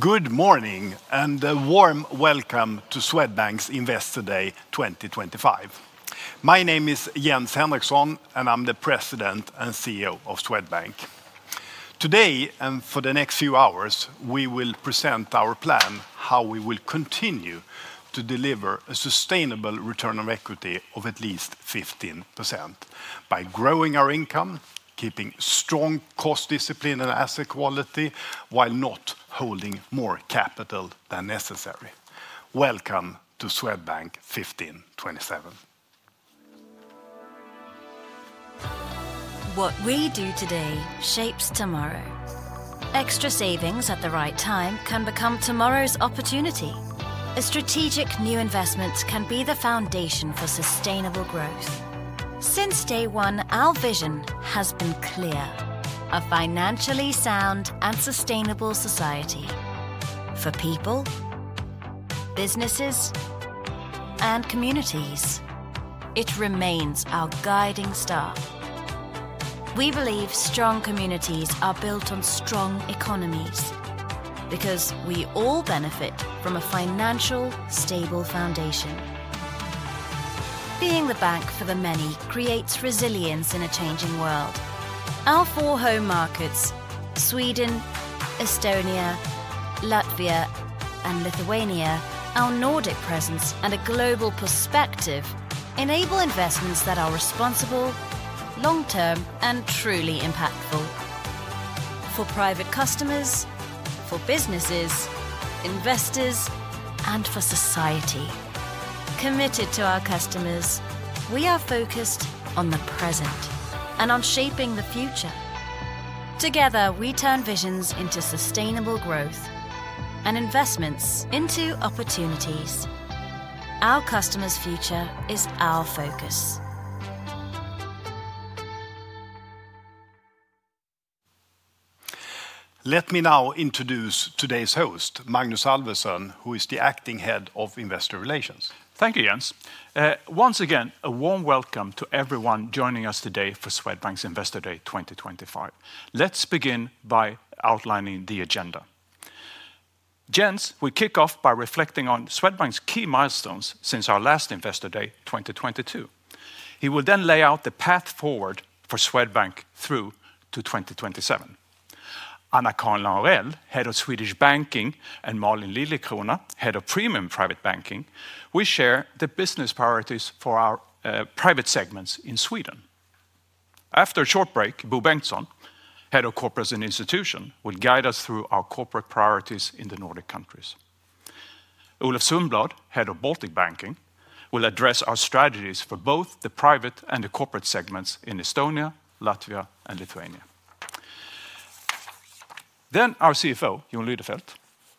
Good morning and a warm welcome to Swedbank's Investor Day 2025. My name is Jens Henriksson, and I'm the President and CEO of Swedbank. Today, and for the next few hours, we will present our plan, how we will continue to deliver a sustainable return on equity of at least 15% by growing our income, keeping strong cost discipline and asset quality while not holding more capital than necessary. Welcome to Swedbank 1527. What we do today shapes tomorrow. Extra savings at the right time can become tomorrow's opportunity. A strategic new investment can be the foundation for sustainable growth. Since day one, our vision has been clear: a financially sound and sustainable society for people, businesses, and communities. It remains our guiding star. We believe strong communities are built on strong economies because we all benefit from a financially stable foundation. Being the bank for the many creates resilience in a changing world. Our four home markets, Sweden, Estonia, Latvia, and Lithuania, our Nordic presence and a global perspective enable investments that are responsible, long-term, and truly impactful for private customers, for businesses, investors, and for society. Committed to our customers, we are focused on the present and on shaping the future. Together, we turn visions into sustainable growth and investments into opportunities. Our customers' future is our focus. Let me now introduce today's host, Magnus Alvesson, who is the Acting Head of Investor Relations. Thank you, Jens. Once again, a warm welcome to everyone joining us today for Swedbank's Investor Day 2025. Let's begin by outlining the agenda. Jens, we kick off by reflecting on Swedbank's key milestones since our last Investor Day 2022. He will then lay out the path forward for Swedbank through to 2027. Anna-Karin Laurell, Head of Swedish Banking, and Malin Liljekrona, Head of Premium Private Banking, will share the business priorities for our private segments in Sweden. After a short break, Bo Bengtsson, Head of Corporate and Institutions, will guide us through our corporate priorities in the Nordic countries. Olof Sundblad, Head of Baltic Banking, will address our strategies for both the private and the corporate segments in Estonia, Latvia, and Lithuania. Then our CFO, Jon Lidefelt,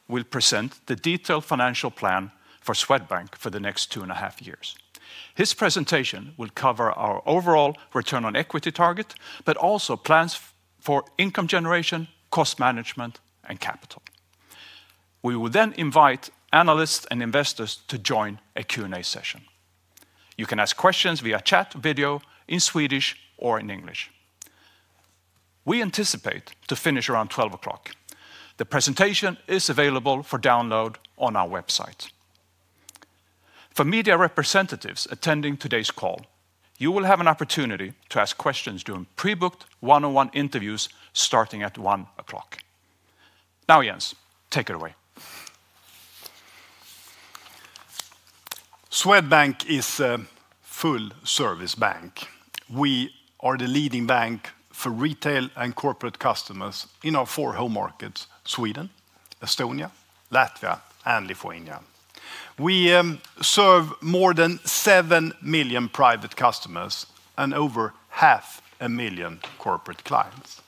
will present the detailed financial plan for Swedbank for the next two and a half years. His presentation will cover our overall return on equity target, but also plans for income generation, cost management, and capital. We will then invite analysts and investors to join a Q&A session. You can ask questions via chat, video, in Swedish, or in English. We anticipate to finish around 12:00. The presentation is available for download on our website. For media representatives attending today's call, you will have an opportunity to ask questions during pre-booked one-on-one interviews starting at 1:00. Now, Jens, take it away. Swedbank is a full-service bank. We are the leading bank for retail and corporate customers in our four home markets: Sweden, Estonia, Latvia, and Lithuania. We serve more than 7 million private customers and over 500,000 corporate clients.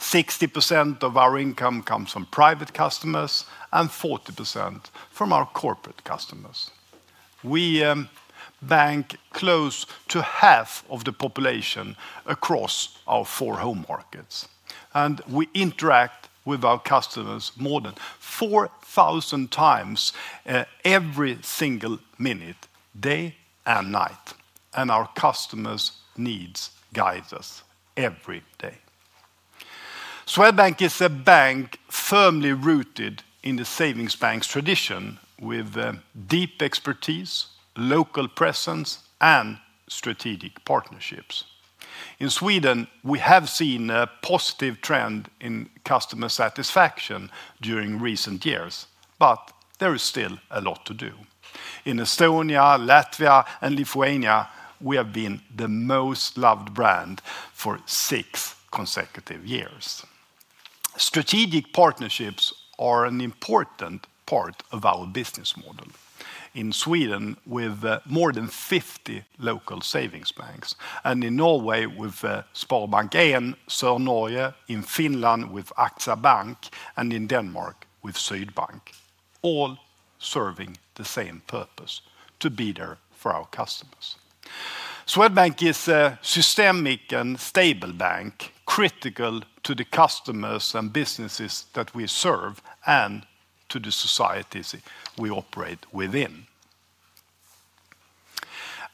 60% of our income comes from private customers and 40% from our corporate customers. We bank close to half of the population across our four home markets, and we interact with our customers more than 4,000 times every single minute, day and night, and our customers' needs guide us every day. Swedbank is a bank firmly rooted in the savings bank's tradition, with deep expertise, local presence, and strategic partnerships. In Sweden, we have seen a positive trend in customer satisfaction during recent years, but there is still a lot to do. In Estonia, Latvia, and Lithuania, we have been the most loved brand for six consecutive years. Strategic partnerships are an important part of our business model. In Sweden, with more than 50 local savings banks, and in Norway with Sparbank 1, Sør-Norge, in Finland with AXA Bank, and in Denmark with Sydbank, all serving the same purpose: to be there for our customers. Swedbank is a systemic and stable bank critical to the customers and businesses that we serve and to the societies we operate within.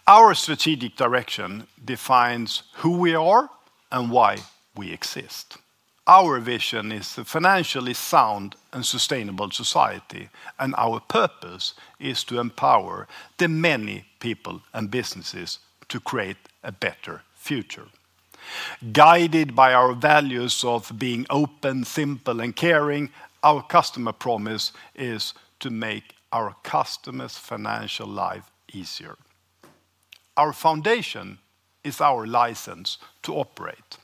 Our strategic direction defines who we are and why we exist. Our vision is a financially sound and sustainable society, and our purpose is to empower the many people and businesses to create a better future. Guided by our values of being open, simple, and caring, our customer promise is to make our customers' financial life easier. Our foundation is our license to operate.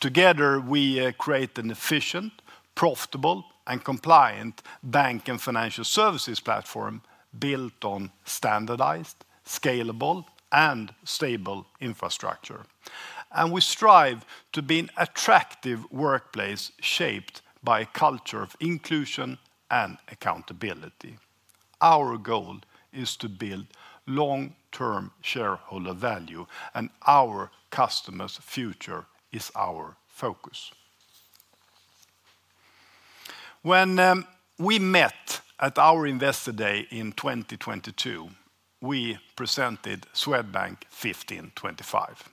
Together, we create an efficient, profitable, and compliant bank and financial services platform built on standardized, scalable, and stable infrastructure. We strive to be an attractive workplace shaped by a culture of inclusion and accountability. Our goal is to build long-term shareholder value, and our customers' future is our focus. When we met at our Investor Day in 2022, we presented Swedbank 1525.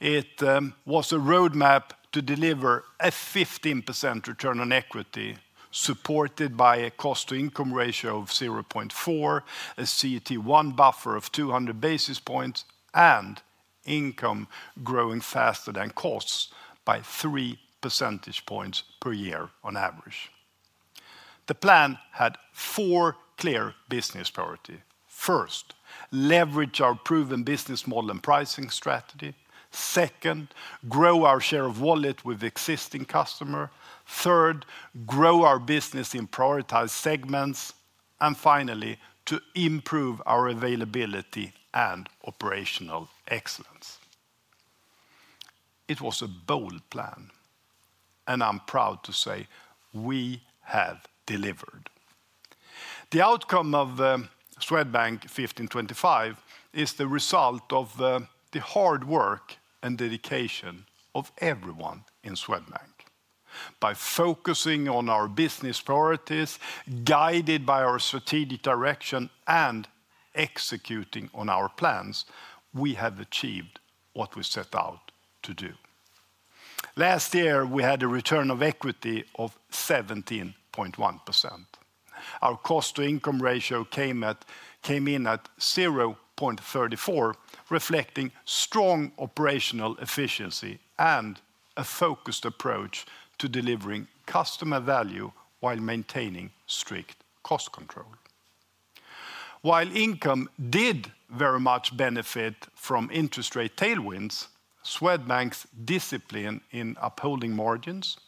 It was a roadmap to deliver a 15% return on equity supported by a cost-to-income ratio of 0.4, a CET1 buffer of 200 basis points, and income growing faster than costs by 3 percentage points per year on average. The plan had four clear business priorities. First, leverage our proven business model and pricing strategy. Second, grow our share of wallet with existing customers. Third, grow our business in prioritized segments. Finally, improve our availability and operational excellence. It was a bold plan, and I'm proud to say we have delivered. The outcome of Swedbank 1525 is the result of the hard work and dedication of everyone in Swedbank. By focusing on our business priorities, guided by our strategic direction, and executing on our plans, we have achieved what we set out to do. Last year, we had a return on equity of 17.1%. Our cost-to-income ratio came in at 0.34, reflecting strong operational efficiency and a focused approach to delivering customer value while maintaining strict cost control. While income did very much benefit from interest rate tailwinds, Swedbank's discipline in upholding margins,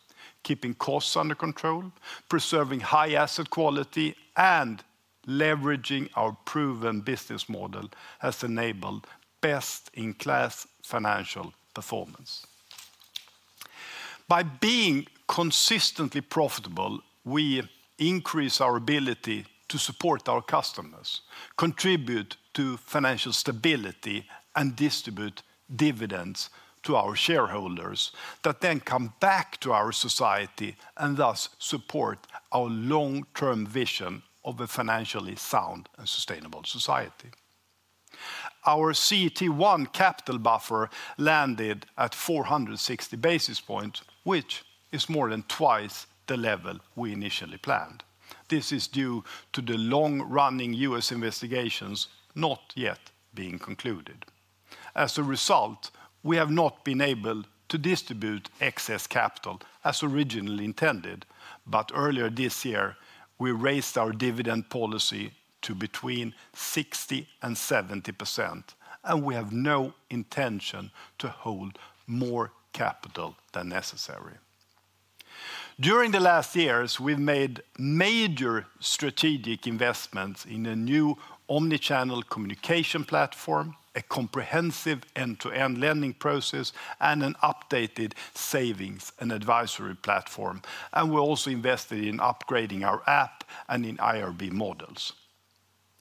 keeping costs under control, preserving high asset quality, and leveraging our proven business model has enabled best-in-class financial performance. By being consistently profitable, we increase our ability to support our customers, contribute to financial stability, and distribute dividends to our shareholders that then come back to our society and thus support our long-term vision of a financially sound and sustainable society. Our CET1 capital buffer landed at 460 basis points, which is more than twice the level we initially planned. This is due to the long-running U.S. investigations not yet being concluded. As a result, we have not been able to distribute excess capital as originally intended, but earlier this year, we raised our dividend policy to between 60% and 70%, and we have no intention to hold more capital than necessary. During the last years, we've made major strategic investments in a new omnichannel communication platform, a comprehensive end-to-end lending process, and an updated savings and advisory platform. We're also invested in upgrading our app and in IRB models.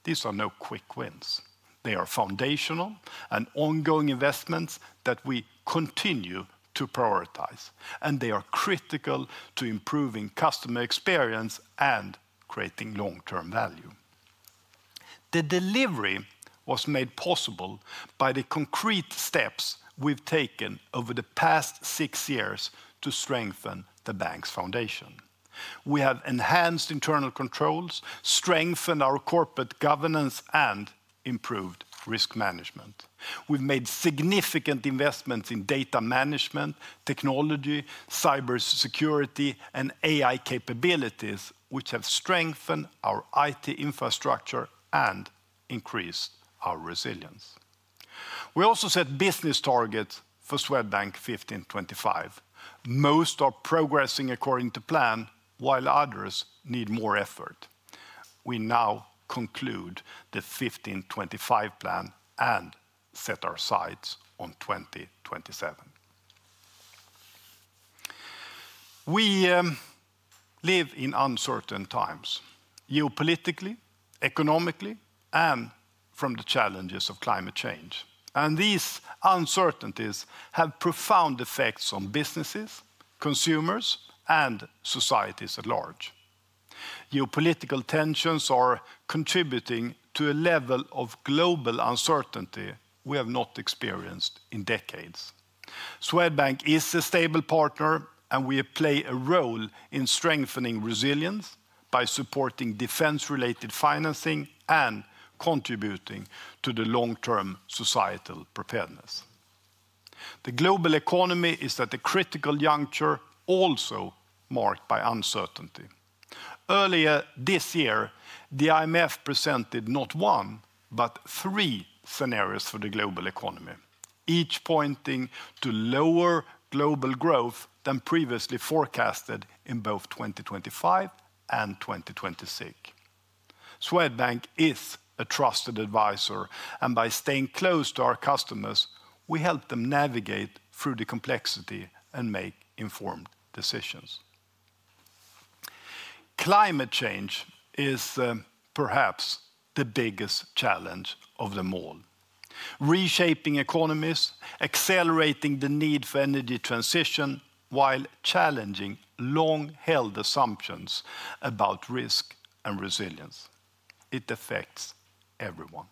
These are no quick wins. They are foundational and ongoing investments that we continue to prioritize, and they are critical to improving customer experience and creating long-term value. The delivery was made possible by the concrete steps we've taken over the past six years to strengthen the bank's foundation. We have enhanced internal controls, strengthened our corporate governance, and improved risk management. We've made significant investments in data management, technology, cybersecurity, and AI capabilities, which have strengthened our IT infrastructure and increased our resilience. We also set business targets for Swedbank 1525. Most are progressing according to plan, while others need more effort. We now conclude the 1525 plan and set our sights on 2027. We live in uncertain times, geopolitically, economically, and from the challenges of climate change. These uncertainties have profound effects on businesses, consumers, and societies at large. Geopolitical tensions are contributing to a level of global uncertainty we have not experienced in decades. Swedbank is a stable partner, and we play a role in strengthening resilience by supporting defense-related financing and contributing to the long-term societal preparedness. The global economy is at a critical juncture, also marked by uncertainty. Earlier this year, the IMF presented not one, but three scenarios for the global economy, each pointing to lower global growth than previously forecasted in both 2025 and 2026. Swedbank is a trusted advisor, and by staying close to our customers, we help them navigate through the complexity and make informed decisions. Climate change is perhaps the biggest challenge of them all. Reshaping economies, accelerating the need for energy transition, while challenging long-held assumptions about risk and resilience. It affects everyone.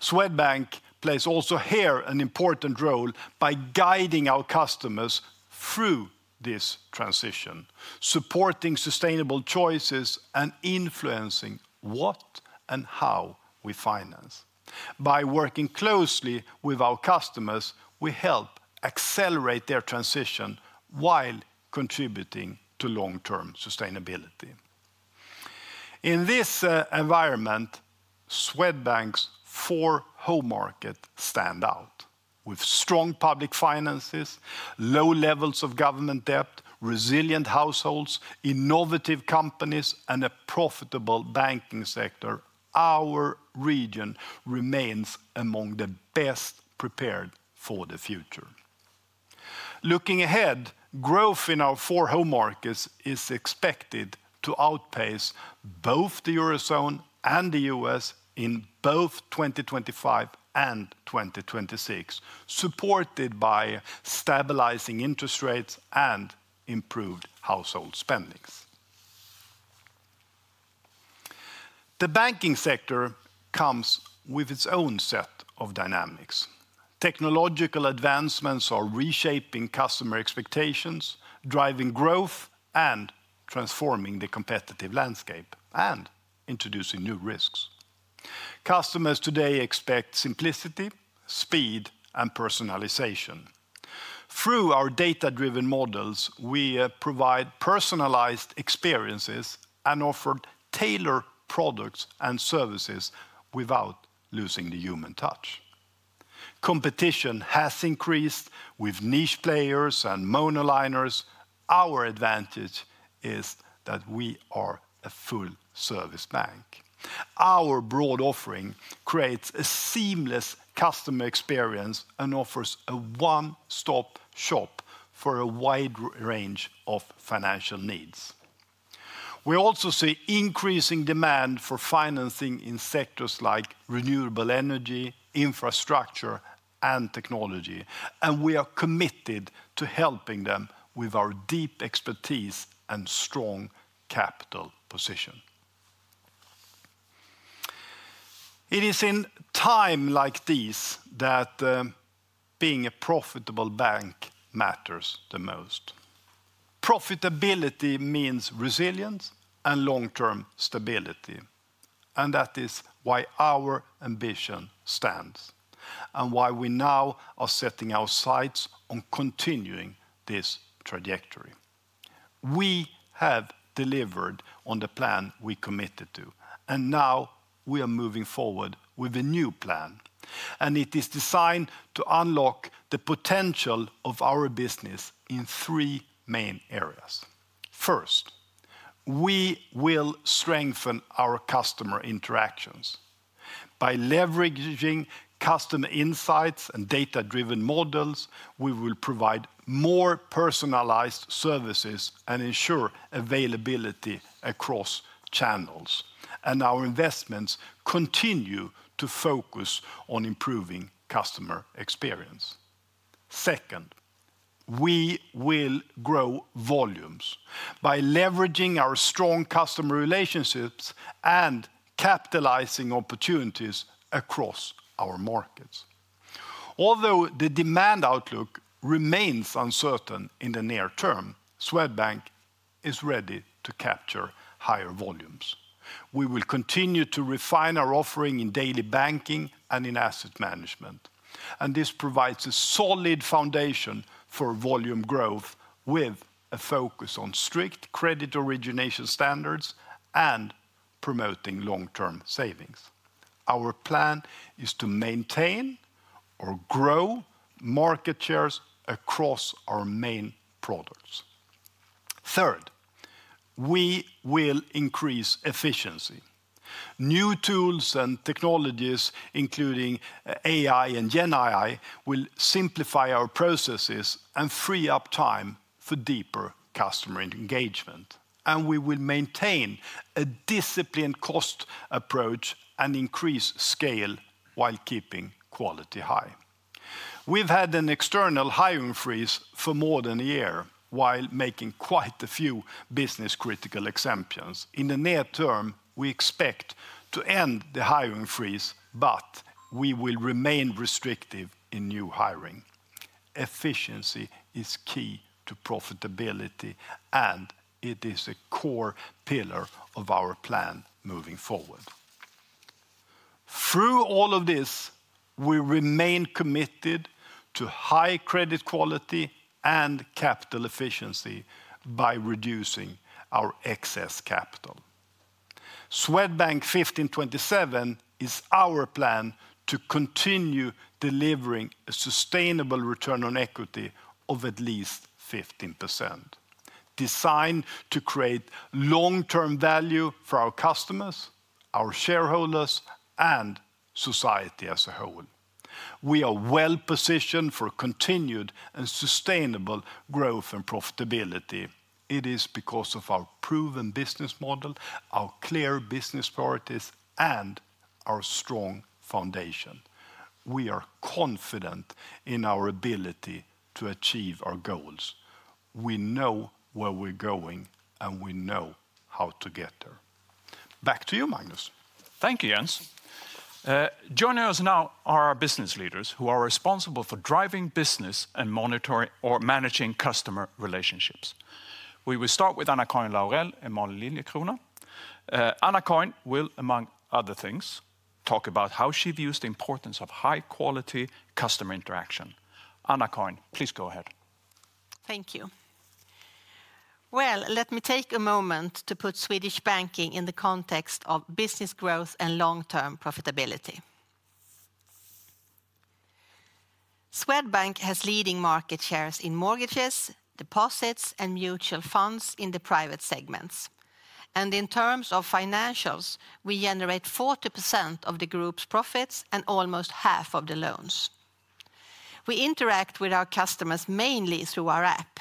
Swedbank plays also here an important role by guiding our customers through this transition, supporting sustainable choices and influencing what and how we finance. By working closely with our customers, we help accelerate their transition while contributing to long-term sustainability. In this environment, Swedbank's four home markets stand out. With strong public finances, low levels of government debt, resilient households, innovative companies, and a profitable banking sector, our region remains among the best prepared for the future. Looking ahead, growth in our four home markets is expected to outpace both the Eurozone and the U.S. in both 2025 and 2026, supported by stabilizing interest rates and improved household spendings. The banking sector comes with its own set of dynamics. Technological advancements are reshaping customer expectations, driving growth and transforming the competitive landscape and introducing new risks. Customers today expect simplicity, speed, and personalization. Through our data-driven models, we provide personalized experiences and offer tailored products and services without losing the human touch. Competition has increased with niche players and monoliners. Our advantage is that we are a full-service bank. Our broad offering creates a seamless customer experience and offers a one-stop shop for a wide range of financial needs. We also see increasing demand for financing in sectors like renewable energy, infrastructure, and technology, and we are committed to helping them with our deep expertise and strong capital position. It is in times like these that being a profitable bank matters the most. Profitability means resilience and long-term stability, and that is why our ambition stands and why we now are setting our sights on continuing this trajectory. We have delivered on the plan we committed to, and now we are moving forward with a new plan, and it is designed to unlock the potential of our business in three main areas. First, we will strengthen our customer interactions. By leveraging customer insights and data-driven models, we will provide more personalized services and ensure availability across channels, and our investments continue to focus on improving customer experience. Second, we will grow volumes by leveraging our strong customer relationships and capitalizing opportunities across our markets. Although the demand outlook remains uncertain in the near term, Swedbank is ready to capture higher volumes. We will continue to refine our offering in daily banking and in asset management, and this provides a solid foundation for volume growth with a focus on strict credit origination standards and promoting long-term savings. Our plan is to maintain or grow market shares across our main products. Third, we will increase efficiency. New tools and technologies, including AI and GenAI, will simplify our processes and free up time for deeper customer engagement, and we will maintain a disciplined cost approach and increase scale while keeping quality high. We have had an external hiring freeze for more than a year while making quite a few business-critical exemptions. In the near term, we expect to end the hiring freeze, but we will remain restrictive in new hiring. Efficiency is key to profitability, and it is a core pillar of our plan moving forward. Through all of this, we remain committed to high credit quality and capital efficiency by reducing our excess capital. Swedbank 1527 is our plan to continue delivering a sustainable return on equity of at least 15%, designed to create long-term value for our customers, our shareholders, and society as a whole. We are well positioned for continued and sustainable growth and profitability. It is because of our proven business model, our clear business priorities, and our strong foundation. We are confident in our ability to achieve our goals. We know where we're going, and we know how to get there. Back to you, Magnus. Thank you, Jens. Joining us now are our business leaders who are responsible for driving business and monitoring or managing customer relationships. We will start with Anna-Karin Laurell and Malin Liljekrona. Anna-Karin will, among other things, talk about how she views the importance of high-quality customer interaction. Anna-Karin, please go ahead. Thank you. Let me take a moment to put Swedish banking in the context of business growth and long-term profitability. Swedbank has leading market shares in mortgages, deposits, and mutual funds in the private segments. In terms of financials, we generate 40% of the group's profits and almost half of the loans. We interact with our customers mainly through our app,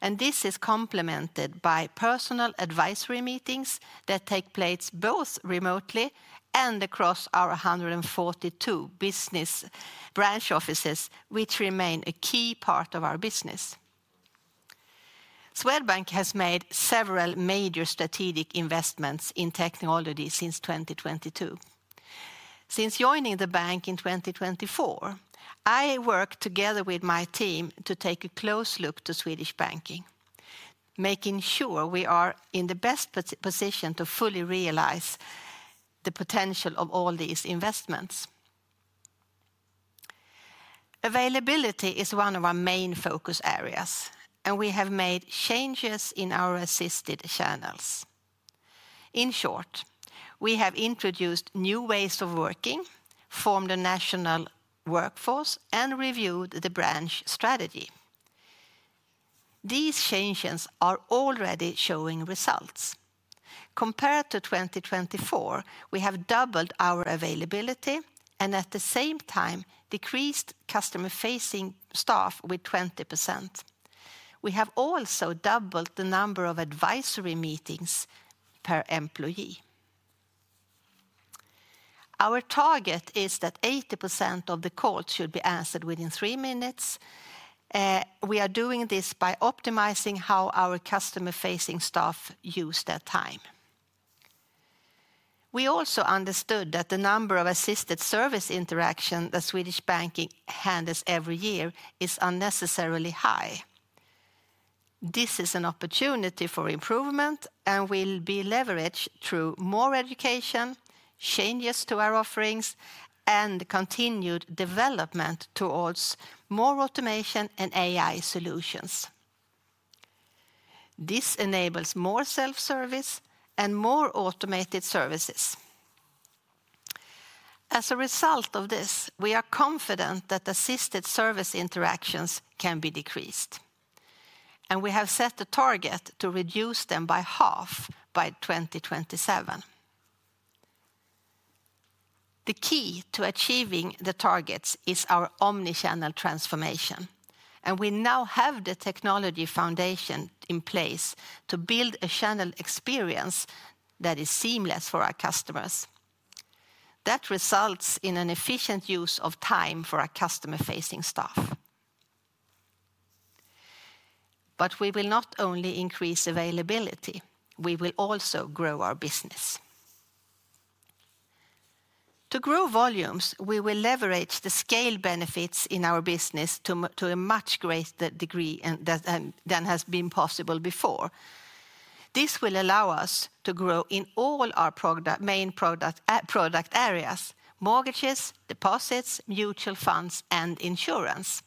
and this is complemented by personal advisory meetings that take place both remotely and across our 142 business branch offices, which remain a key part of our business. Swedbank has made several major strategic investments in technology since 2022. Since joining the bank in 2024, I worked together with my team to take a close look at Swedish banking, making sure we are in the best position to fully realize the potential of all these investments. Availability is one of our main focus areas, and we have made changes in our assisted channels. In short, we have introduced new ways of working, formed a national workforce, and reviewed the branch strategy. These changes are already showing results. Compared to 2024, we have doubled our availability and at the same time decreased customer-facing staff by 20%. We have also doubled the number of advisory meetings per employee. Our target is that 80% of the calls should be answered within three minutes. We are doing this by optimizing how our customer-facing staff use their time. We also understood that the number of assisted service interactions that Swedish Banking handles every year is unnecessarily high. This is an opportunity for improvement and will be leveraged through more education, changes to our offerings, and continued development towards more automation and AI solutions. This enables more self-service and more automated services. As a result of this, we are confident that assisted service interactions can be decreased, and we have set a target to reduce them by half by 2027. The key to achieving the targets is our omnichannel transformation, and we now have the technology foundation in place to build a channel experience that is seamless for our customers. That results in an efficient use of time for our customer-facing staff. We will not only increase availability, we will also grow our business. To grow volumes, we will leverage the scale benefits in our business to a much greater degree than has been possible before. This will allow us to grow in all our main product areas: mortgages, deposits, mutual funds, and insurance.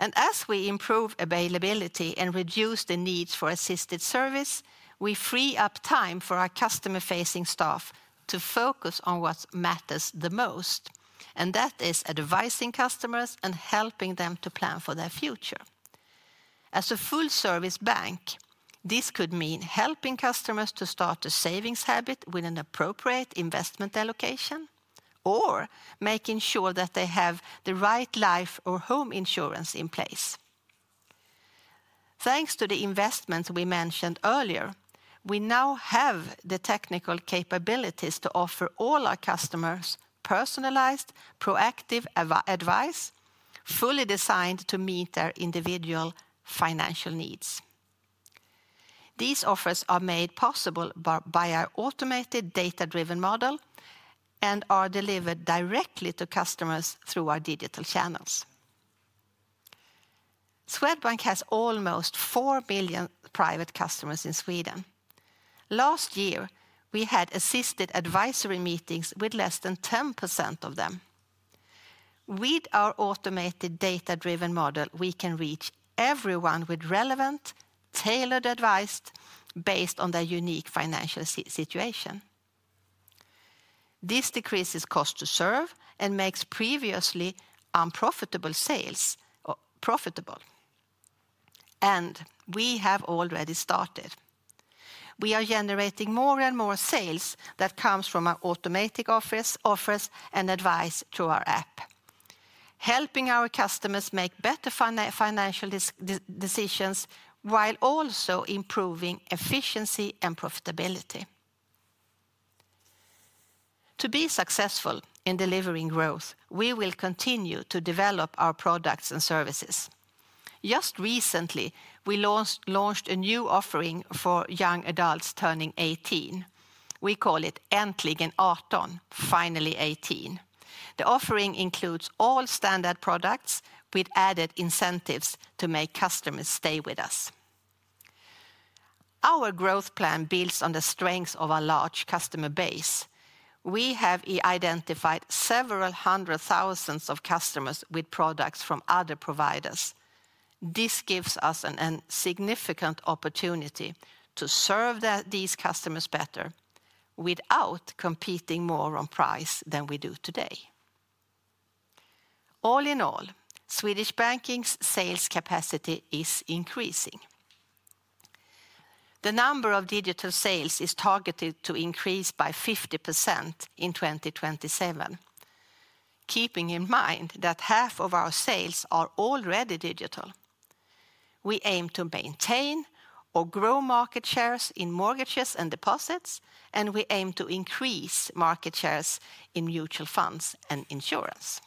As we improve availability and reduce the needs for assisted service, we free up time for our customer-facing staff to focus on what matters the most, and that is advising customers and helping them to plan for their future. As a full-service bank, this could mean helping customers to start a savings habit with an appropriate investment allocation or making sure that they have the right life or home insurance in place. Thanks to the investments we mentioned earlier, we now have the technical capabilities to offer all our customers personalized, proactive advice fully designed to meet their individual financial needs. These offers are made possible by our automated data-driven model and are delivered directly to customers through our digital channels. Swedbank has almost 4 million private customers in Sweden. Last year, we had assisted advisory meetings with less than 10% of them. With our automated data-driven model, we can reach everyone with relevant, tailored advice based on their unique financial situation. This decreases cost to serve and makes previously unprofitable sales profitable. We have already started. We are generating more and more sales that come from our automated offers and advice through our app, helping our customers make better financial decisions while also improving efficiency and profitability. To be successful in delivering growth, we will continue to develop our products and services. Just recently, we launched a new offering for young adults turning 18. We call it "Äntligen 18, finally 18." The offering includes all standard products with added incentives to make customers stay with us. Our growth plan builds on the strengths of our large customer base. We have identified several hundred thousand customers with products from other providers. This gives us a significant opportunity to serve these customers better without competing more on price than we do today. All in all, Swedish Banking's sales capacity is increasing. The number of digital sales is targeted to increase by 50% in 2027, keeping in mind that half of our sales are already digital. We aim to maintain or grow market shares in mortgages and deposits, and we aim to increase market shares in mutual funds and insurance.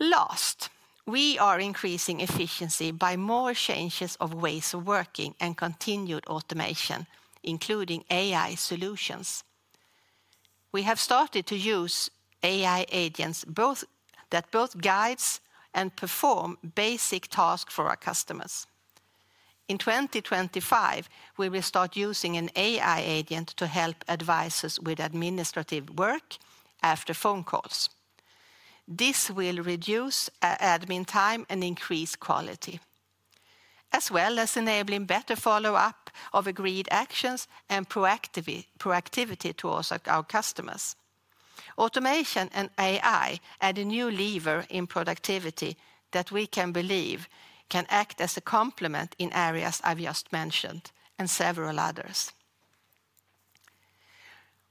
Last, we are increasing efficiency by more changes of ways of working and continued automation, including AI solutions. We have started to use AI agents that both guide and perform basic tasks for our customers. In 2025, we will start using an AI agent to help advisors with administrative work after phone calls. This will reduce admin time and increase quality, as well as enabling better follow-up of agreed actions and proactivity towards our customers. Automation and AI add a new lever in productivity that we believe can act as a complement in areas I have just mentioned and several others.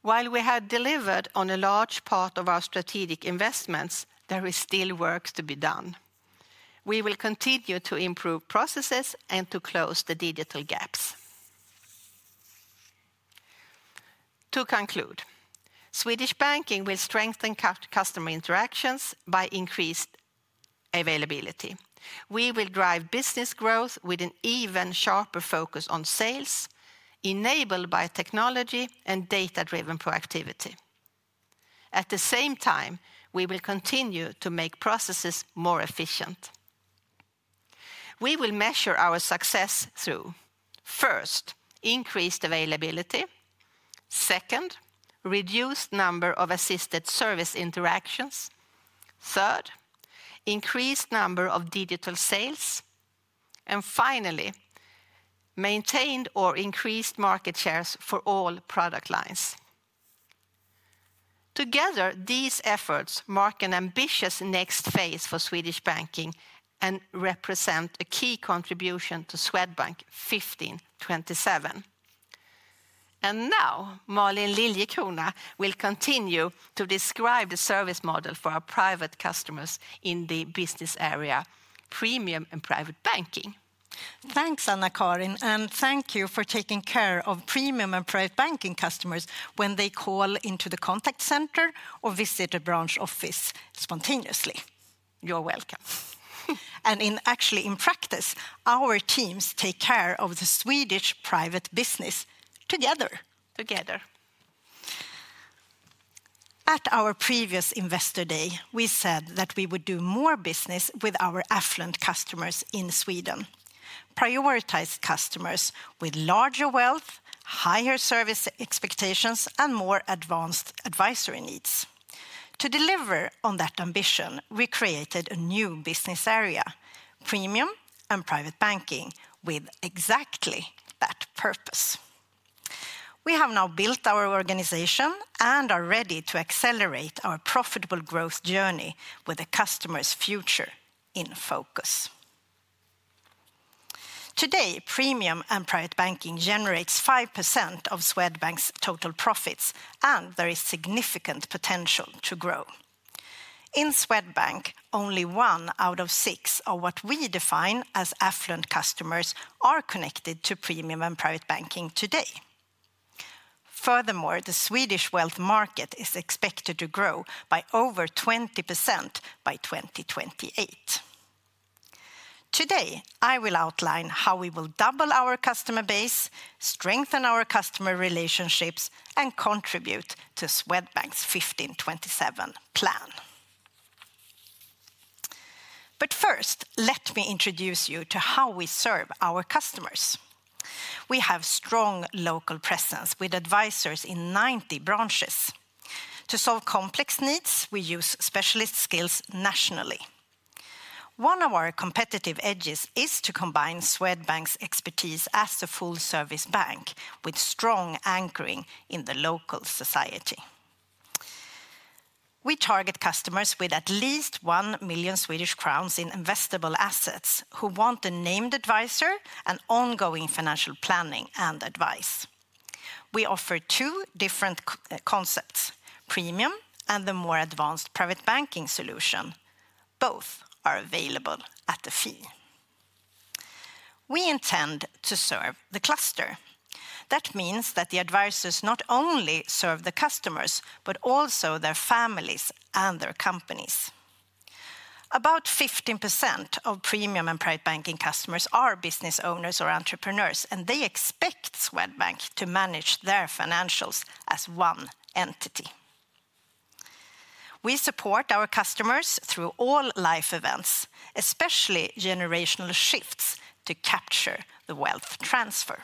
While we have delivered on a large part of our strategic investments, there is still work to be done. We will continue to improve processes and to close the digital gaps. To conclude, Swedish Banking will strengthen customer interactions by increased availability. We will drive business growth with an even sharper focus on sales, enabled by technology and data-driven proactivity. At the same time, we will continue to make processes more efficient. We will measure our success through, first, increased availability. Second, reduced number of assisted service interactions. Third, increased number of digital sales. Finally, maintained or increased market shares for all product lines. Together, these efforts mark an ambitious next phase for Swedish banking and represent a key contribution to Swedbank 1527. Now, Malin Liljekrona will continue to describe the service model for our private customers in the business area, premium and private banking. Thanks, Anna-Karin, and thank you for taking care of premium and private banking customers when they call into the contact center or visit a branch office spontaneously. You're welcome. Actually, in practice, our teams take care of the Swedish private business together. Together. At our previous investor day, we said that we would do more business with our affluent customers in Sweden, prioritize customers with larger wealth, higher service expectations, and more advanced advisory needs. To deliver on that ambition, we created a new business area, premium and private banking, with exactly that purpose. We have now built our organization and are ready to accelerate our profitable growth journey with a customer's future in focus. Today, premium and private banking generates 5% of Swedbank's total profits, and there is significant potential to grow. In Swedbank, only one out of six or what we define as affluent customers are connected to premium and private banking today. Furthermore, the Swedish wealth market is expected to grow by over 20% by 2028. Today, I will outline how we will double our customer base, strengthen our customer relationships, and contribute to Swedbank's 1527 plan. First, let me introduce you to how we serve our customers. We have a strong local presence with advisors in 90 branches. To solve complex needs, we use specialist skills nationally. One of our competitive edges is to combine Swedbank's expertise as a full-service bank with strong anchoring in the local society. We target customers with at least 1 million Swedish crowns in investable assets who want a named advisor and ongoing financial planning and advice. We offer two different concepts: premium and the more advanced private banking solution. Both are available at a fee. We intend to serve the cluster. That means that the advisors not only serve the customers but also their families and their companies. About 15% of premium and private banking customers are business owners or entrepreneurs, and they expect Swedbank to manage their financials as one entity. We support our customers through all life events, especially generational shifts, to capture the wealth transfer.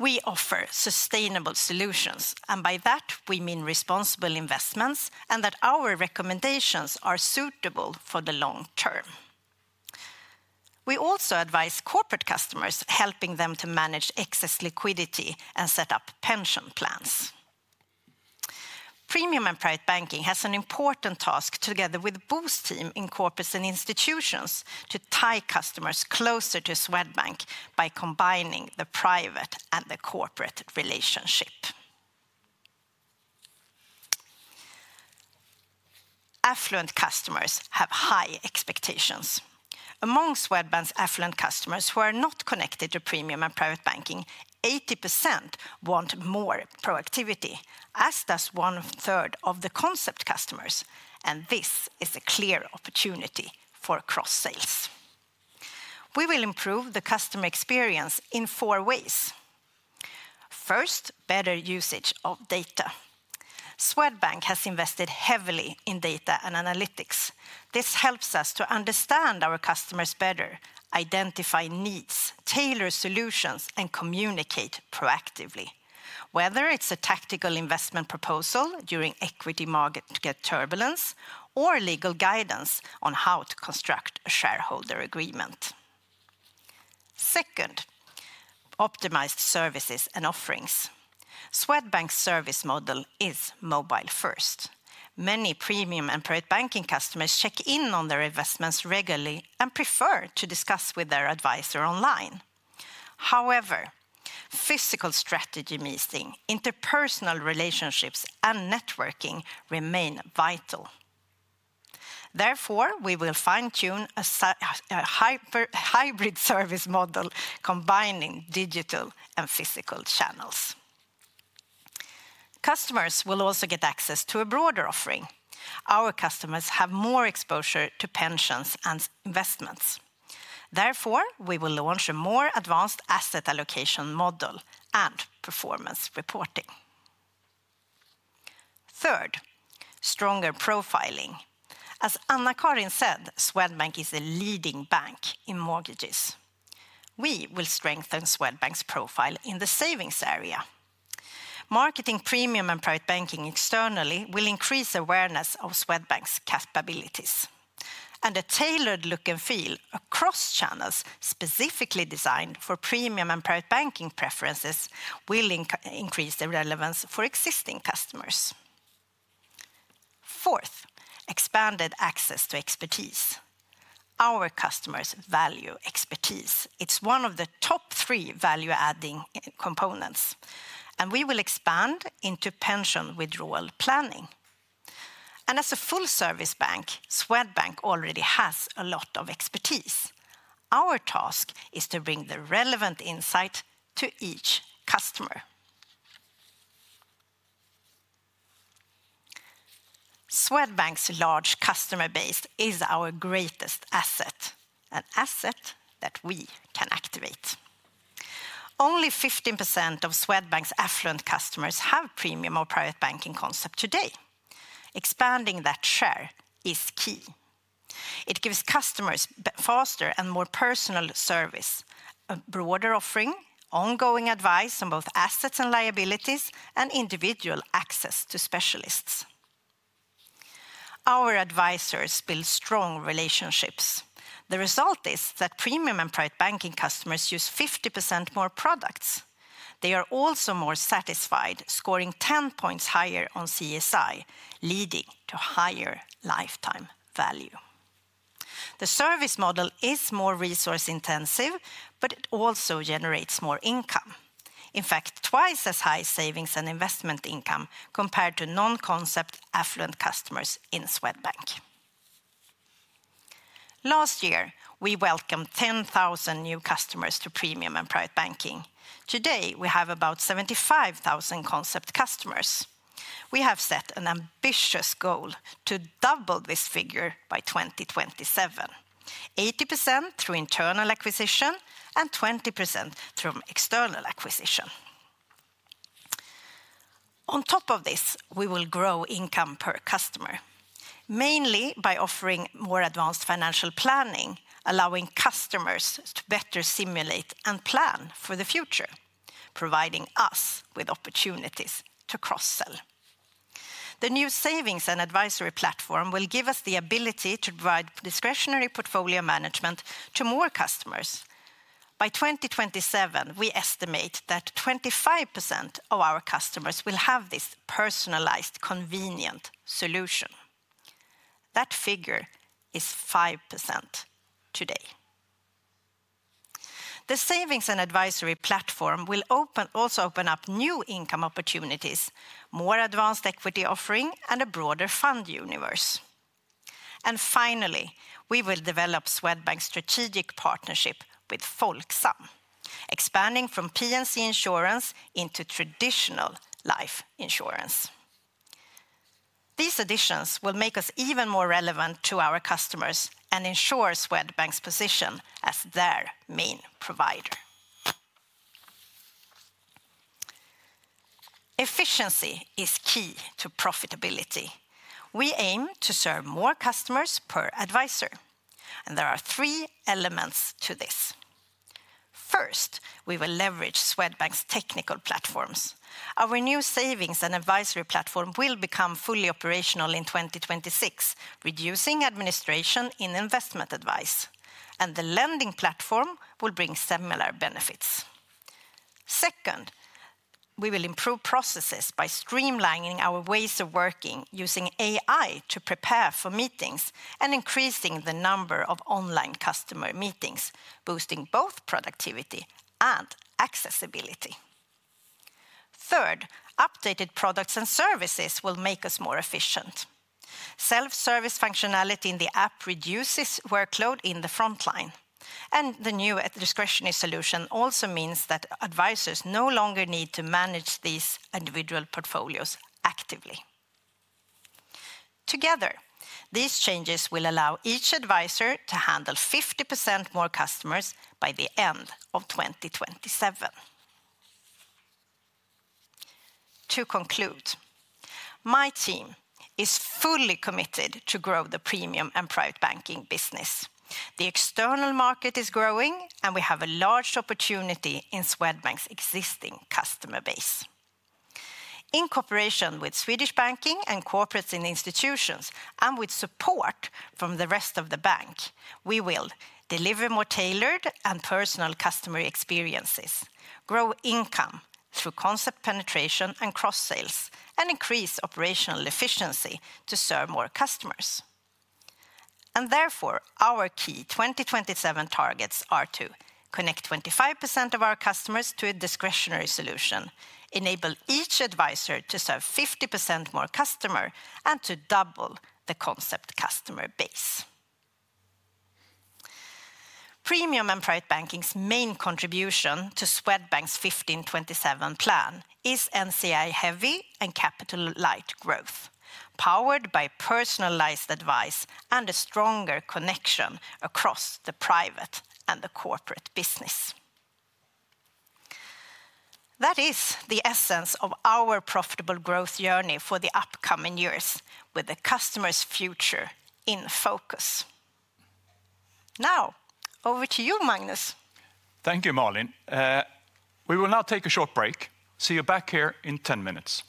We offer sustainable solutions, and by that, we mean responsible investments and that our recommendations are suitable for the long term. We also advise corporate customers, helping them to manage excess liquidity and set up pension plans. Premium and private banking has an important task together with the Boost team in corporates and institutions to tie customers closer to Swedbank by combining the private and the corporate relationship. Affluent customers have high expectations. Among Swedbank's affluent customers who are not connected to premium and private banking, 80% want more proactivity, as does one third of the concept customers, and this is a clear opportunity for cross-sales. We will improve the customer experience in four ways. First, better usage of data. Swedbank has invested heavily in data and analytics. This helps us to understand our customers better, identify needs, tailor solutions, and communicate proactively, whether it's a tactical investment proposal during equity market turbulence or legal guidance on how to construct a shareholder agreement. Second, optimized services and offerings. Swedbank's service model is mobile-first. Many premium and private banking customers check in on their investments regularly and prefer to discuss with their advisor online. However, physical strategy meeting, interpersonal relationships, and networking remain vital. Therefore, we will fine-tune a hybrid service model combining digital and physical channels. Customers will also get access to a broader offering. Our customers have more exposure to pensions and investments. Therefore, we will launch a more advanced asset allocation model and performance reporting. Third, stronger profiling. As Anna-Karin Laurell said, Swedbank is a leading bank in mortgages. We will strengthen Swedbank's profile in the savings area. Marketing premium and private banking externally will increase awareness of Swedbank's capabilities, and a tailored look and feel across channels specifically designed for premium and private banking preferences will increase the relevance for existing customers. Fourth, expanded access to expertise. Our customers value expertise. It is one of the top three value-adding components, and we will expand into pension withdrawal planning. As a full-service bank, Swedbank already has a lot of expertise. Our task is to bring the relevant insight to each customer. Swedbank's large customer base is our greatest asset, an asset that we can activate. Only 15% of Swedbank's affluent customers have premium or private banking concept today. Expanding that share is key. It gives customers faster and more personal service, a broader offering, ongoing advice on both assets and liabilities, and individual access to specialists. Our advisors build strong relationships. The result is that premium and private banking customers use 50% more products. They are also more satisfied, scoring 10 points higher on CSI, leading to higher lifetime value. The service model is more resource-intensive, but it also generates more income, in fact, twice as high savings and investment income compared to non-concept affluent customers in Swedbank. Last year, we welcomed 10,000 new customers to premium and private banking. Today, we have about 75,000 concept customers. We have set an ambitious goal to double this figure by 2027: 80% through internal acquisition and 20% through external acquisition. On top of this, we will grow income per customer, mainly by offering more advanced financial planning, allowing customers to better simulate and plan for the future, providing us with opportunities to cross-sell. The new savings and advisory platform will give us the ability to provide discretionary portfolio management to more customers. By 2027, we estimate that 25% of our customers will have this personalized, convenient solution. That figure is 5% today. The savings and advisory platform will also open up new income opportunities, more advanced equity offering, and a broader fund universe. Finally, we will develop Swedbank's strategic partnership with Folksam, expanding from P&C insurance into traditional life insurance. These additions will make us even more relevant to our customers and ensure Swedbank's position as their main provider. Efficiency is key to profitability. We aim to serve more customers per advisor, and there are three elements to this. First, we will leverage Swedbank's technical platforms. Our new savings and advisory platform will become fully operational in 2026, reducing administration in investment advice, and the lending platform will bring similar benefits. Second, we will improve processes by streamlining our ways of working, using AI to prepare for meetings and increasing the number of online customer meetings, boosting both productivity and accessibility. Third, updated products and services will make us more efficient. Self-service functionality in the app reduces workload in the frontline, and the new discretionary solution also means that advisors no longer need to manage these individual portfolios actively. Together, these changes will allow each advisor to handle 50% more customers by the end of 2027. To conclude, my team is fully committed to grow the premium and private banking business. The external market is growing, and we have a large opportunity in Swedbank's existing customer base. In cooperation with Swedish Banking and Corporates and Institutions, and with support from the rest of the bank, we will deliver more tailored and personal customer experiences, grow income through concept penetration and cross-sales, and increase operational efficiency to serve more customers. Therefore, our key 2027 targets are to connect 25% of our customers to a discretionary solution, enable each advisor to serve 50% more customers, and to double the concept customer base. Premium and Private Banking's main contribution to Swedbank's 2027 plan is NCI-heavy and capital-light growth, powered by personalized advice and a stronger connection across the private and the corporate business. That is the essence of our profitable growth journey for the upcoming years, with the customer's future in focus. Now, over to you, Magnus. Thank you, Malin. We will now take a short break. See you back here in 10 minutes.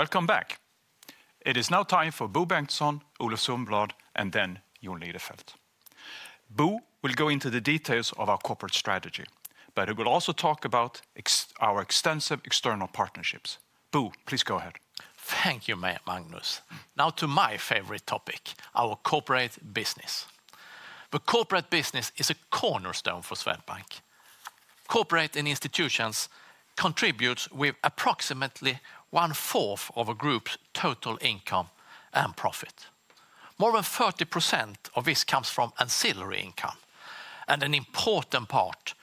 Welcome back. It is now time for Bo Bengtsson, Olof Sundblad, and then Jon Lidefelt. Bo will go into the details of our corporate strategy, but he will also talk about our extensive external partnerships. Bo, please go ahead. Thank you, Magnus. Now to my favorite topic, our corporate business. The corporate business is a cornerstone for Swedbank. Corporate institutions contribute with approximately one-fourth of a group's total income and profit. More than 30% of this comes from ancillary income, and an important part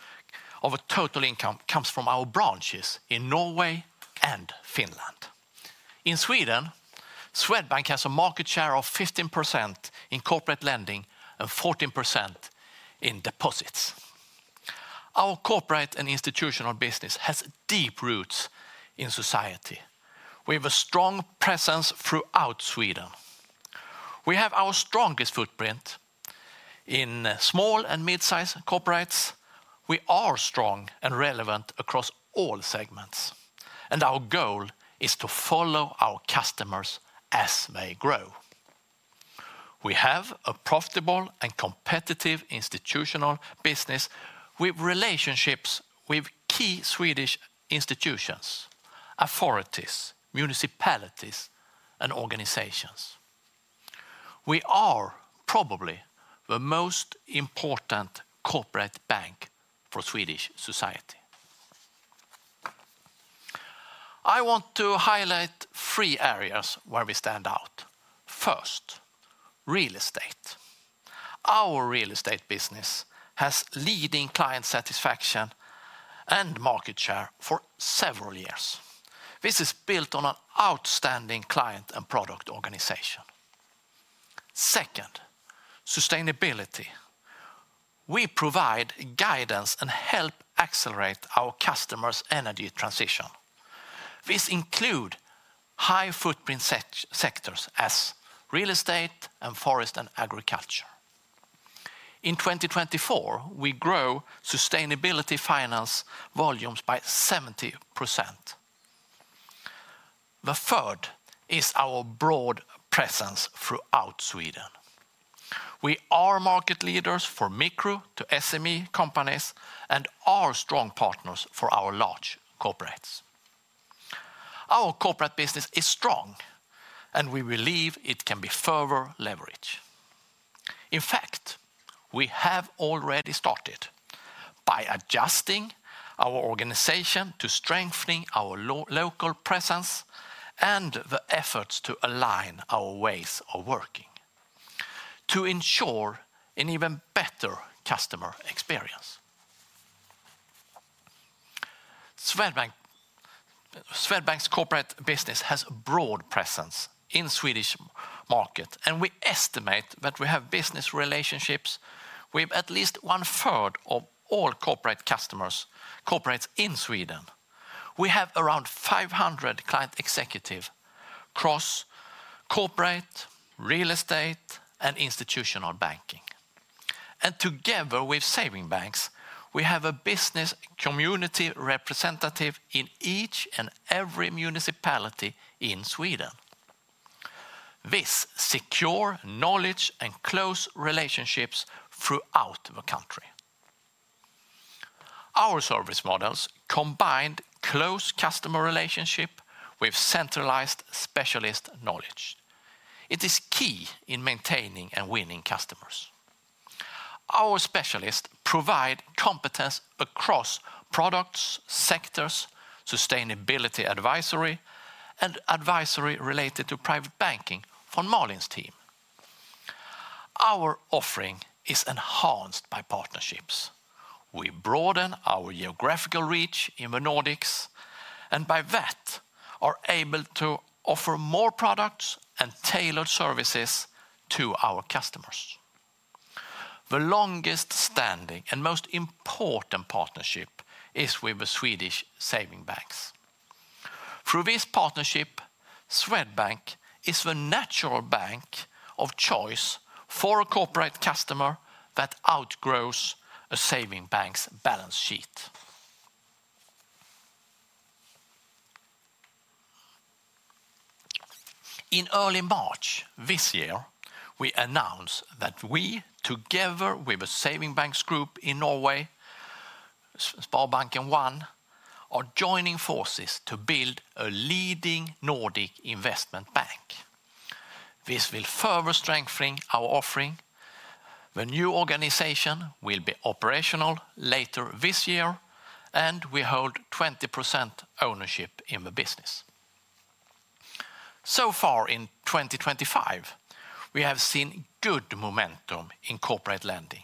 of total income comes from our branches in Norway and Finland. In Sweden, Swedbank has a market share of 15% in corporate lending and 14% in deposits. Our corporate and institutional business has deep roots in society. We have a strong presence throughout Sweden. We have our strongest footprint in small and mid-size corporates. We are strong and relevant across all segments, and our goal is to follow our customers as they grow. We have a profitable and competitive institutional business with relationships with key Swedish institutions, authorities, municipalities, and organizations. We are probably the most important corporate bank for Swedish society. I want to highlight three areas where we stand out. First, real estate. Our real estate business has leading client satisfaction and market share for several years. This is built on an outstanding client and product organization. Second, sustainability. We provide guidance and help accelerate our customers' energy transition. This includes high-footprint sectors as real estate and forest and agriculture. In 2024, we grew sustainability finance volumes by 70%. The third is our broad presence throughout Sweden. We are market leaders for micro to SME companies and are strong partners for our large corporates. Our corporate business is strong, and we believe it can be further leveraged. In fact, we have already started by adjusting our organization to strengthen our local presence and the efforts to align our ways of working to ensure an even better customer experience. Swedbank's corporate business has a broad presence in the Swedish market, and we estimate that we have business relationships with at least one-third of all corporate customers' corporates in Sweden. We have around 500 client executives across corporate, real estate, and institutional banking. Together with saving banks, we have a business community representative in each and every municipality in Sweden. This secures knowledge and close relationships throughout the country. Our service models combine close customer relationships with centralized specialist knowledge. It is key in maintaining and winning customers. Our specialists provide competence across products, sectors, sustainability advisory, and advisory related to private banking for Malin's team. Our offering is enhanced by partnerships. We broaden our geographical reach in the Nordics, and by that, we are able to offer more products and tailored services to our customers. The longest-standing and most important partnership is with the Swedish saving banks. Through this partnership, Swedbank is the natural bank of choice for a corporate customer that outgrows a saving bank's balance sheet. In early March this year, we announced that we, together with the saving banks group in Norway, Sparbank 1, are joining forces to build a leading Nordic investment bank. This will further strengthen our offering. The new organization will be operational later this year, and we hold 20% ownership in the business. So far in 2024, we have seen good momentum in corporate lending.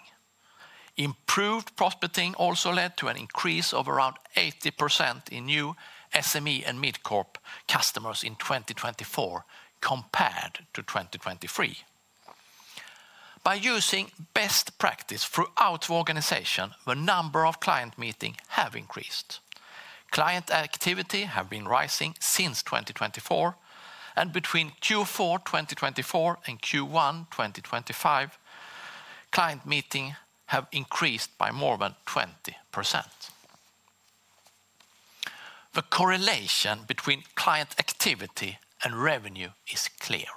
Improved prospecting also led to an increase of around 80% in new SME and mid-corp customers in 2024 compared to 2023. By using best practices throughout the organization, the number of client meetings has increased. Client activity has been rising since 2024, and between Q4 2024 and Q1 2025, client meetings have increased by more than 20%. The correlation between client activity and revenue is clear.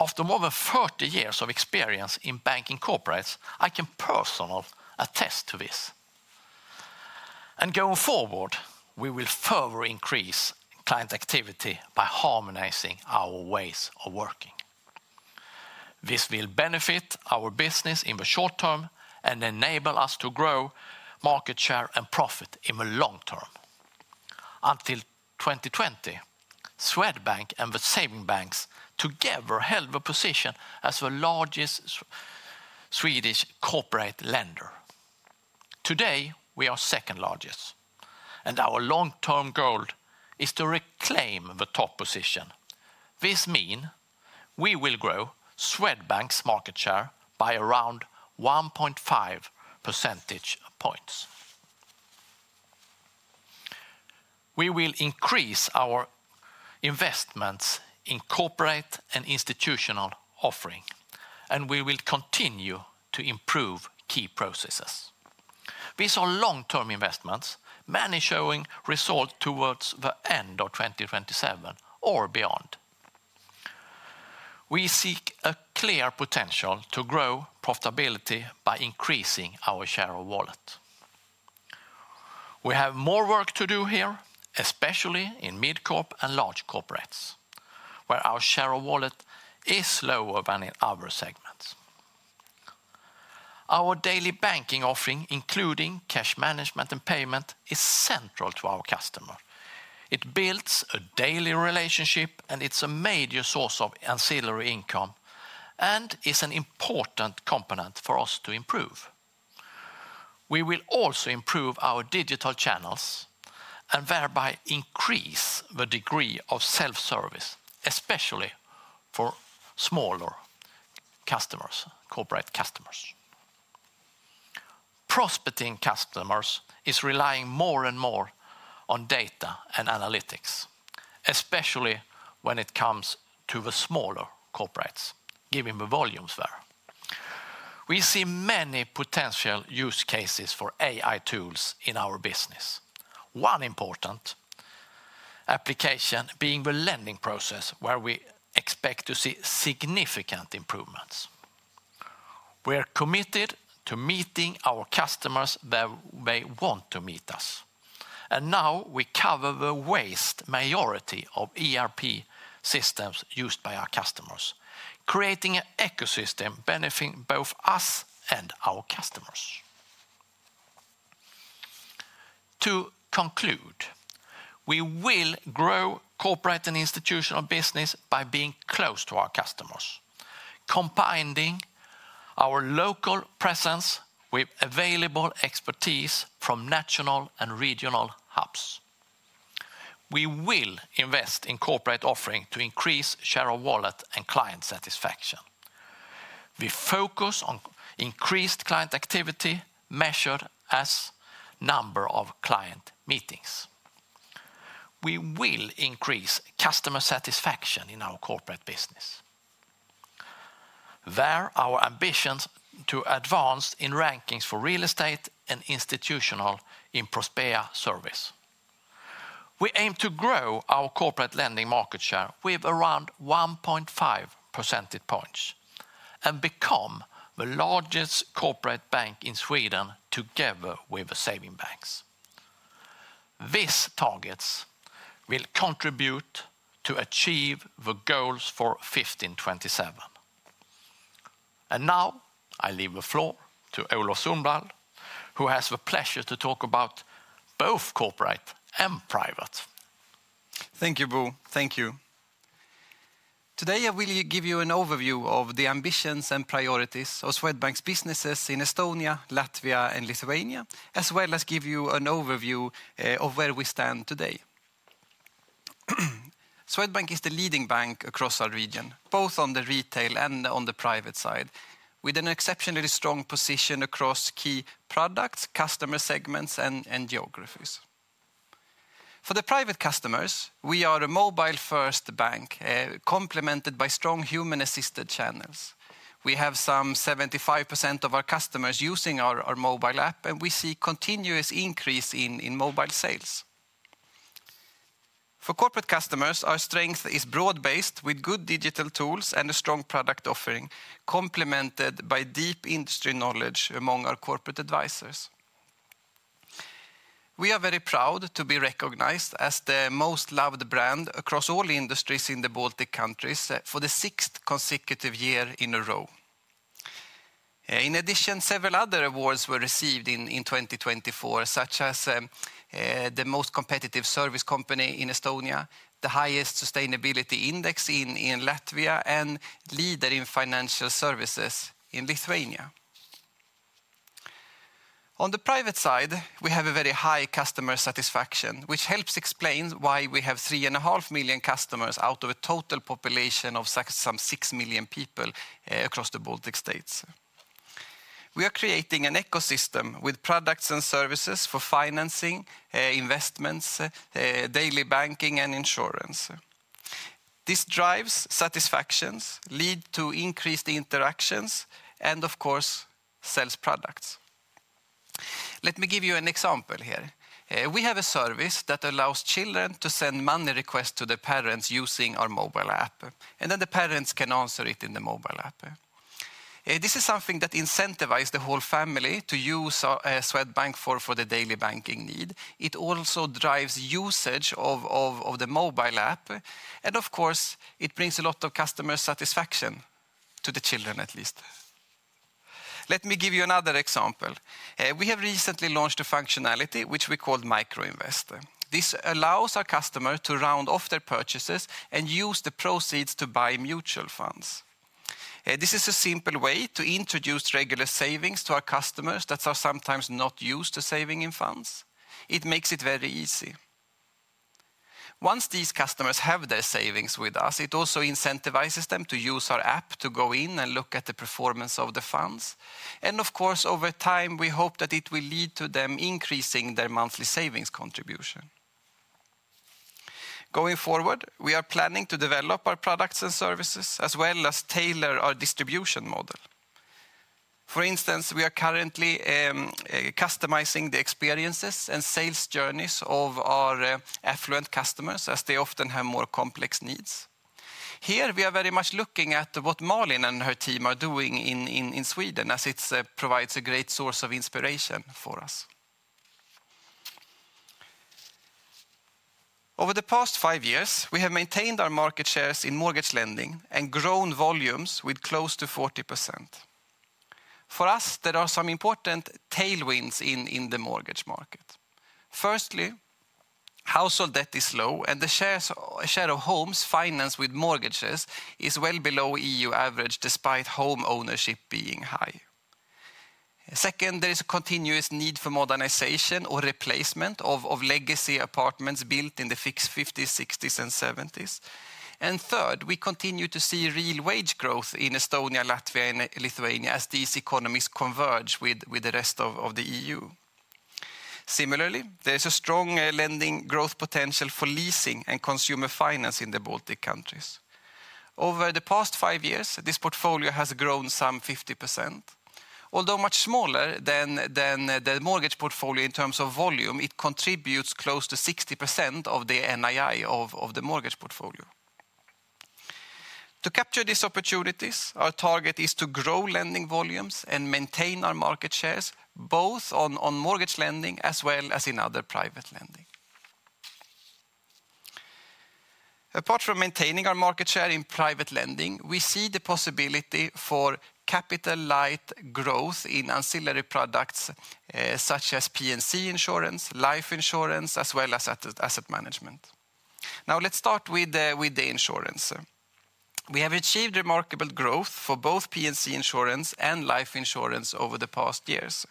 After more than 30 years of experience in banking corporates, I can personally attest to this. Going forward, we will further increase client activity by harmonizing our ways of working. This will benefit our business in the short term and enable us to grow market share and profit in the long term. Until 2020, Swedbank and the saving banks together held the position as the largest Swedish corporate lender. Today, we are second largest, and our long-term goal is to reclaim the top position. This means we will grow Swedbank's market share by around 1.5 percentage points. We will increase our investments in corporate and institutional offering, and we will continue to improve key processes. These are long-term investments, many showing results towards the end of 2027 or beyond. We seek a clear potential to grow profitability by increasing our share of wallet. We have more work to do here, especially in mid-corp and large corporates, where our share of wallet is lower than in other segments. Our daily banking offering, including cash management and payment, is central to our customer. It builds a daily relationship, and it's a major source of ancillary income and is an important component for us to improve. We will also improve our digital channels and thereby increase the degree of self-service, especially for smaller corporate customers. Prospecting customers are relying more and more on data and analytics, especially when it comes to the smaller corporates, given the volumes there. We see many potential use cases for AI tools in our business. One important application being the lending process, where we expect to see significant improvements. We are committed to meeting our customers where they want to meet us. Now we cover the vast majority of ERP systems used by our customers, creating an ecosystem benefiting both us and our customers. To conclude, we will grow corporate and institutional business by being close to our customers, combining our local presence with available expertise from national and regional hubs. We will invest in corporate offering to increase share of wallet and client satisfaction. We focus on increased client activity measured as the number of client meetings. We will increase customer satisfaction in our corporate business. There are our ambitions to advance in rankings for real estate and institutional in Prosper service. We aim to grow our corporate lending market share with around 1.5 percentage points and become the largest corporate bank in Sweden together with the saving banks. These targets will contribute to achieve the goals for 2027. Now I leave the floor to Olof Sundblad, who has the pleasure to talk about both corporate and private. Thank you, Bo. Thank you. Today, I will give you an overview of the ambitions and priorities of Swedbank's businesses in Estonia, Latvia, and Lithuania, as well as give you an overview of where we stand today. Swedbank is the leading bank across our region, both on the retail and on the private side, with an exceptionally strong position across key products, customer segments, and geographies. For the private customers, we are a mobile-first bank complemented by strong human-assisted channels. We have some 75% of our customers using our mobile app, and we see a continuous increase in mobile sales. For corporate customers, our strength is broad-based with good digital tools and a strong product offering complemented by deep industry knowledge among our corporate advisors. We are very proud to be recognized as the most loved brand across all industries in the Baltic countries for the sixth consecutive year in a row. In addition, several other awards were received in 2024, such as the most competitive service company in Estonia, the highest sustainability index in Latvia, and leader in financial services in Lithuania. On the private side, we have a very high customer satisfaction, which helps explain why we have three and a half million customers out of a total population of some six million people across the Baltic states. We are creating an ecosystem with products and services for financing, investments, daily banking, and insurance. This drives satisfaction, leads to increased interactions, and of course, sells products. Let me give you an example here. We have a service that allows children to send money requests to their parents using our mobile app, and then the parents can answer it in the mobile app. This is something that incentivizes the whole family to use Swedbank for the daily banking need. It also drives usage of the mobile app, and of course, it brings a lot of customer satisfaction to the children, at least. Let me give you another example. We have recently launched a functionality which we called Microinvest. This allows our customers to round off their purchases and use the proceeds to buy mutual funds. This is a simple way to introduce regular savings to our customers that are sometimes not used to saving in funds. It makes it very easy. Once these customers have their savings with us, it also incentivizes them to use our app to go in and look at the performance of the funds. Of course, over time, we hope that it will lead to them increasing their monthly savings contribution. Going forward, we are planning to develop our products and services as well as tailor our distribution model. For instance, we are currently customizing the experiences and sales journeys of our affluent customers as they often have more complex needs. Here, we are very much looking at what Malin and her team are doing in Sweden, as it provides a great source of inspiration for us. Over the past five years, we have maintained our market shares in mortgage lending and grown volumes with close to 40%. For us, there are some important tailwinds in the mortgage market. Firstly, household debt is low, and the share of homes financed with mortgages is well below EU average despite home ownership being high. Second, there is a continuous need for modernization or replacement of legacy apartments built in the 1950s, 1960s, and 1970s. Third, we continue to see real wage growth in Estonia, Latvia, and Lithuania as these economies converge with the rest of the EU. Similarly, there is a strong lending growth potential for leasing and consumer finance in the Baltic countries. Over the past five years, this portfolio has grown some 50%. Although much smaller than the mortgage portfolio in terms of volume, it contributes close to 60% of the NII of the mortgage portfolio. To capture these opportunities, our target is to grow lending volumes and maintain our market shares both on mortgage lending as well as in other private lending. Apart from maintaining our market share in private lending, we see the possibility for capital-light growth in ancillary products such as P&C insurance, life insurance, as well as asset management. Now let's start with the insurance. We have achieved remarkable growth for both P&C insurance and life insurance over the past years.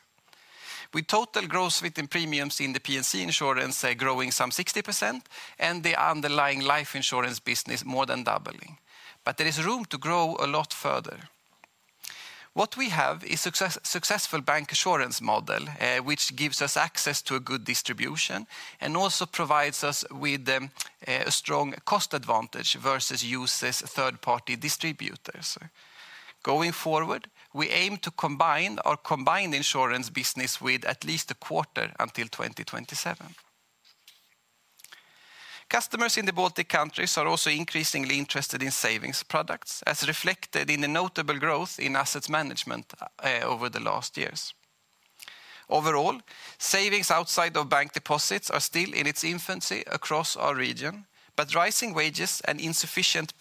With total gross written premiums in the P&C insurance growing some 60% and the underlying life insurance business more than doubling. There is room to grow a lot further. What we have is a successful bancassurance model, which gives us access to a good distribution and also provides us with a strong cost advantage versus using third-party distributors. Going forward, we aim to combine our combined insurance business with at least a quarter until 2027. Customers in the Baltic countries are also increasingly interested in savings products, as reflected in the notable growth in asset management over the last years. Overall, savings outside of bank deposits are still in its infancy across our region, but rising wages and insufficient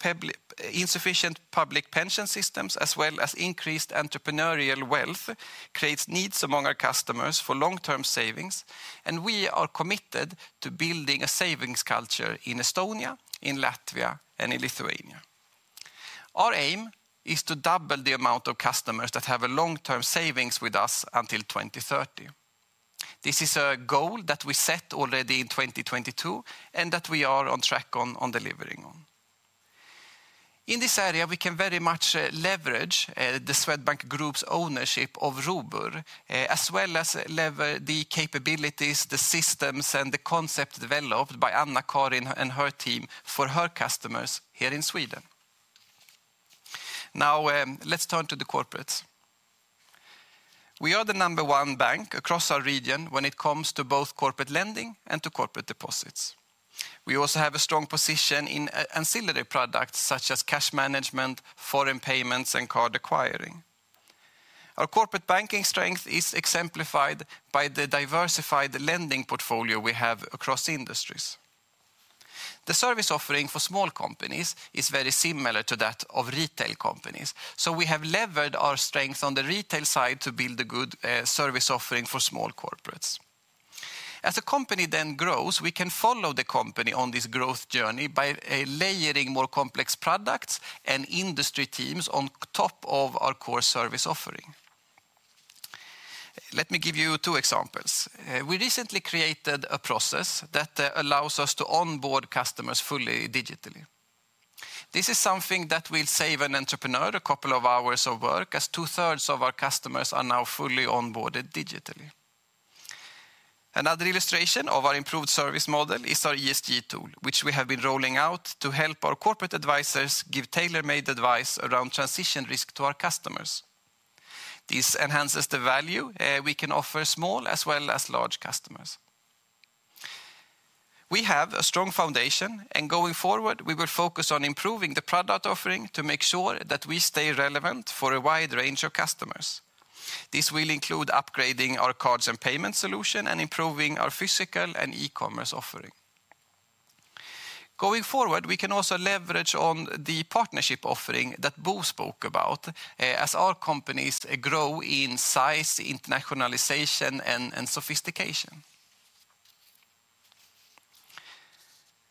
public pension systems, as well as increased entrepreneurial wealth, create needs among our customers for long-term savings, and we are committed to building a savings culture in Estonia, in Latvia, and in Lithuania. Our aim is to double the amount of customers that have long-term savings with us until 2030. This is a goal that we set already in 2022 and that we are on track on delivering on. In this area, we can very much leverage the Swedbank Group's ownership of Robur, as well as leverage the capabilities, the systems, and the concept developed by Anna-Karin and her team for her customers here in Sweden. Now let's turn to the corporates. We are the number one bank across our region when it comes to both corporate lending and to corporate deposits. We also have a strong position in ancillary products such as cash management, foreign payments, and card acquiring. Our corporate banking strength is exemplified by the diversified lending portfolio we have across industries. The service offering for small companies is very similar to that of retail companies, so we have leveraged our strength on the retail side to build a good service offering for small corporates. As a company then grows, we can follow the company on this growth journey by layering more complex products and industry teams on top of our core service offering. Let me give you two examples. We recently created a process that allows us to onboard customers fully digitally. This is something that will save an entrepreneur a couple of hours of work, as two-thirds of our customers are now fully onboarded digitally. Another illustration of our improved service model is our ESG tool, which we have been rolling out to help our corporate advisors give tailor-made advice around transition risk to our customers. This enhances the value we can offer small as well as large customers. We have a strong foundation, and going forward, we will focus on improving the product offering to make sure that we stay relevant for a wide range of customers. This will include upgrading our cards and payment solution and improving our physical and e-commerce offering. Going forward, we can also leverage on the partnership offering that Bo spoke about as our companies grow in size, internationalization, and sophistication.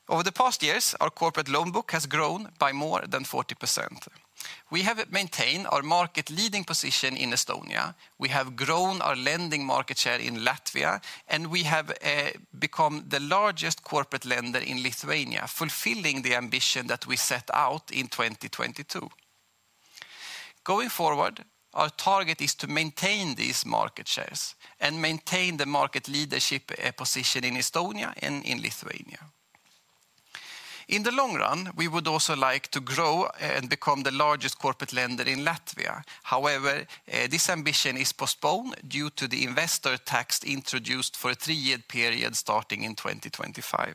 Over the past years, our corporate loan book has grown by more than 40%. We have maintained our market leading position in Estonia. We have grown our lending market share in Latvia, and we have become the largest corporate lender in Lithuania, fulfilling the ambition that we set out in 2022. Going forward, our target is to maintain these market shares and maintain the market leadership position in Estonia and in Lithuania. In the long run, we would also like to grow and become the largest corporate lender in Latvia. However, this ambition is postponed due to the investor tax introduced for a three-year period starting in 2025.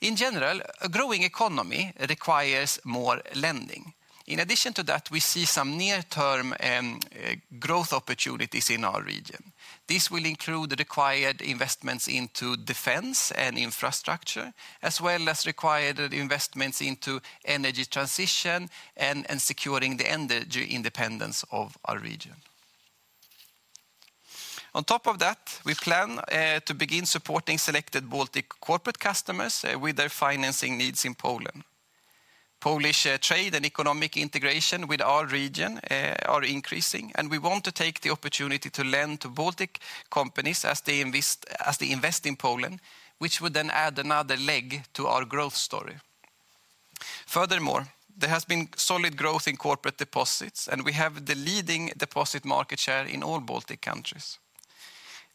In general, a growing economy requires more lending. In addition to that, we see some near-term growth opportunities in our region. This will include the required investments into defense and infrastructure, as well as required investments into energy transition and securing the energy independence of our region. On top of that, we plan to begin supporting selected Baltic corporate customers with their financing needs in Poland. Polish trade and economic integration with our region are increasing, and we want to take the opportunity to lend to Baltic companies as they invest in Poland, which would then add another leg to our growth story. Furthermore, there has been solid growth in corporate deposits, and we have the leading deposit market share in all Baltic countries.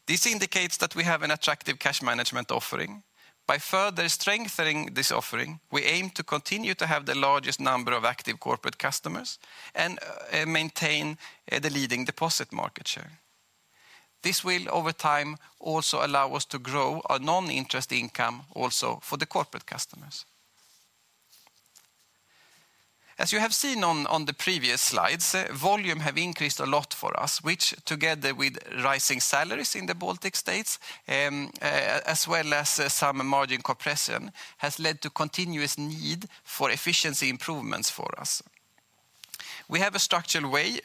This indicates that we have an attractive cash management offering. By further strengthening this offering, we aim to continue to have the largest number of active corporate customers and maintain the leading deposit market share. This will, over time, also allow us to grow our non-interest income also for the corporate customers. As you have seen on the previous slides, volume has increased a lot for us, which, together with rising salaries in the Baltic states, as well as some margin compression, has led to a continuous need for efficiency improvements for us. We have a structural way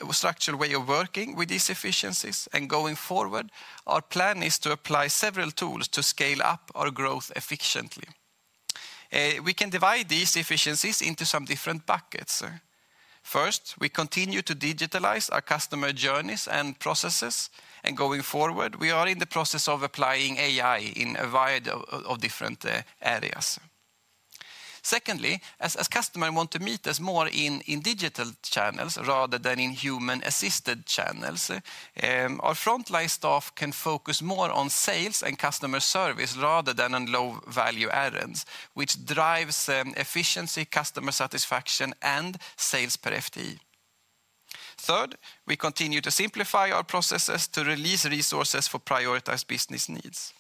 of working with these efficiencies, and going forward, our plan is to apply several tools to scale up our growth efficiently. We can divide these efficiencies into some different buckets. First, we continue to digitalize our customer journeys and processes, and going forward, we are in the process of applying AI in a variety of different areas. Secondly, as customers want to meet us more in digital channels rather than in human-assisted channels, our frontline staff can focus more on sales and customer service rather than on low-value errands, which drives efficiency, customer satisfaction, and sales per FTE. Third, we continue to simplify our processes to release resources for prioritized business needs.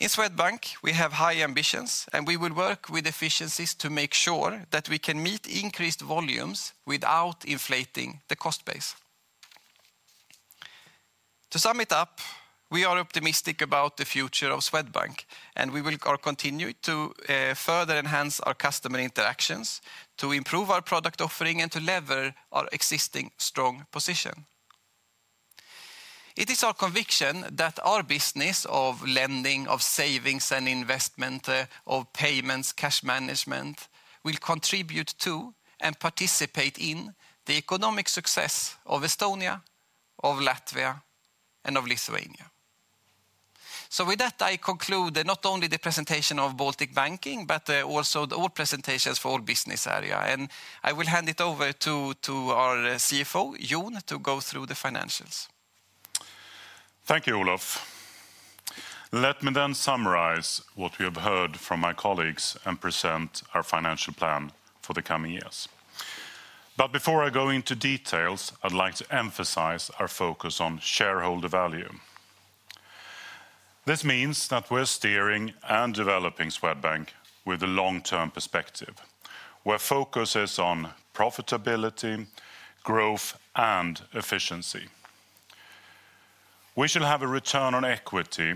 In Swedbank, we have high ambitions, and we will work with efficiencies to make sure that we can meet increased volumes without inflating the cost base. To sum it up, we are optimistic about the future of Swedbank, and we will continue to further enhance our customer interactions to improve our product offering and to leverage our existing strong position. It is our conviction that our business of lending, of savings and investment, of payments, cash management, will contribute to and participate in the economic success of Estonia, of Latvia, and of Lithuania. With that, I conclude not only the presentation of Baltic Banking, but also the presentations for all business areas, and I will hand it over to our CFO, Jon, to go through the financials. Thank you, Olof. Let me then summarize what we have heard from my colleagues and present our financial plan for the coming years. Before I go into details, I'd like to emphasize our focus on shareholder value. This means that we're steering and developing Swedbank with a long-term perspective. Our focus is on profitability, growth, and efficiency. We shall have a return on equity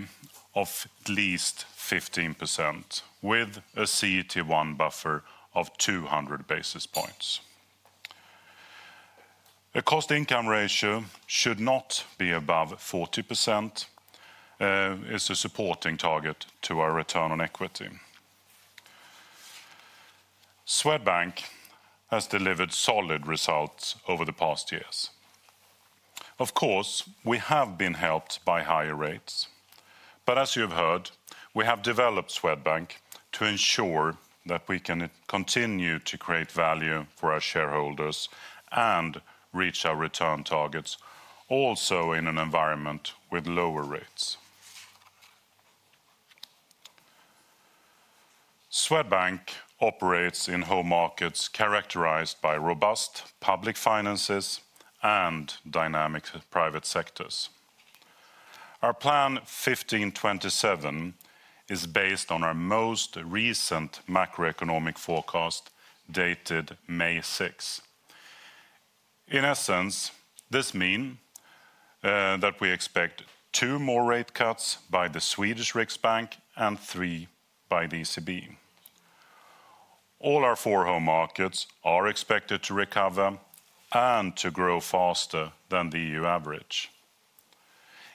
of at least 15% with a CET1 buffer of 200 basis points. A cost-income ratio should not be above 40%. It's a supporting target to our return on equity. Swedbank has delivered solid results over the past years. Of course, we have been helped by higher rates, but as you've heard, we have developed Swedbank to ensure that we can continue to create value for our shareholders and reach our return targets also in an environment with lower rates. Swedbank operates in home markets characterized by robust public finances and dynamic private sectors. Our plan 1527 is based on our most recent macroeconomic forecast dated May 6. In essence, this means that we expect two more rate cuts by the Swedish Riksbank and three by the ECB. All our four home markets are expected to recover and to grow faster than the EU average.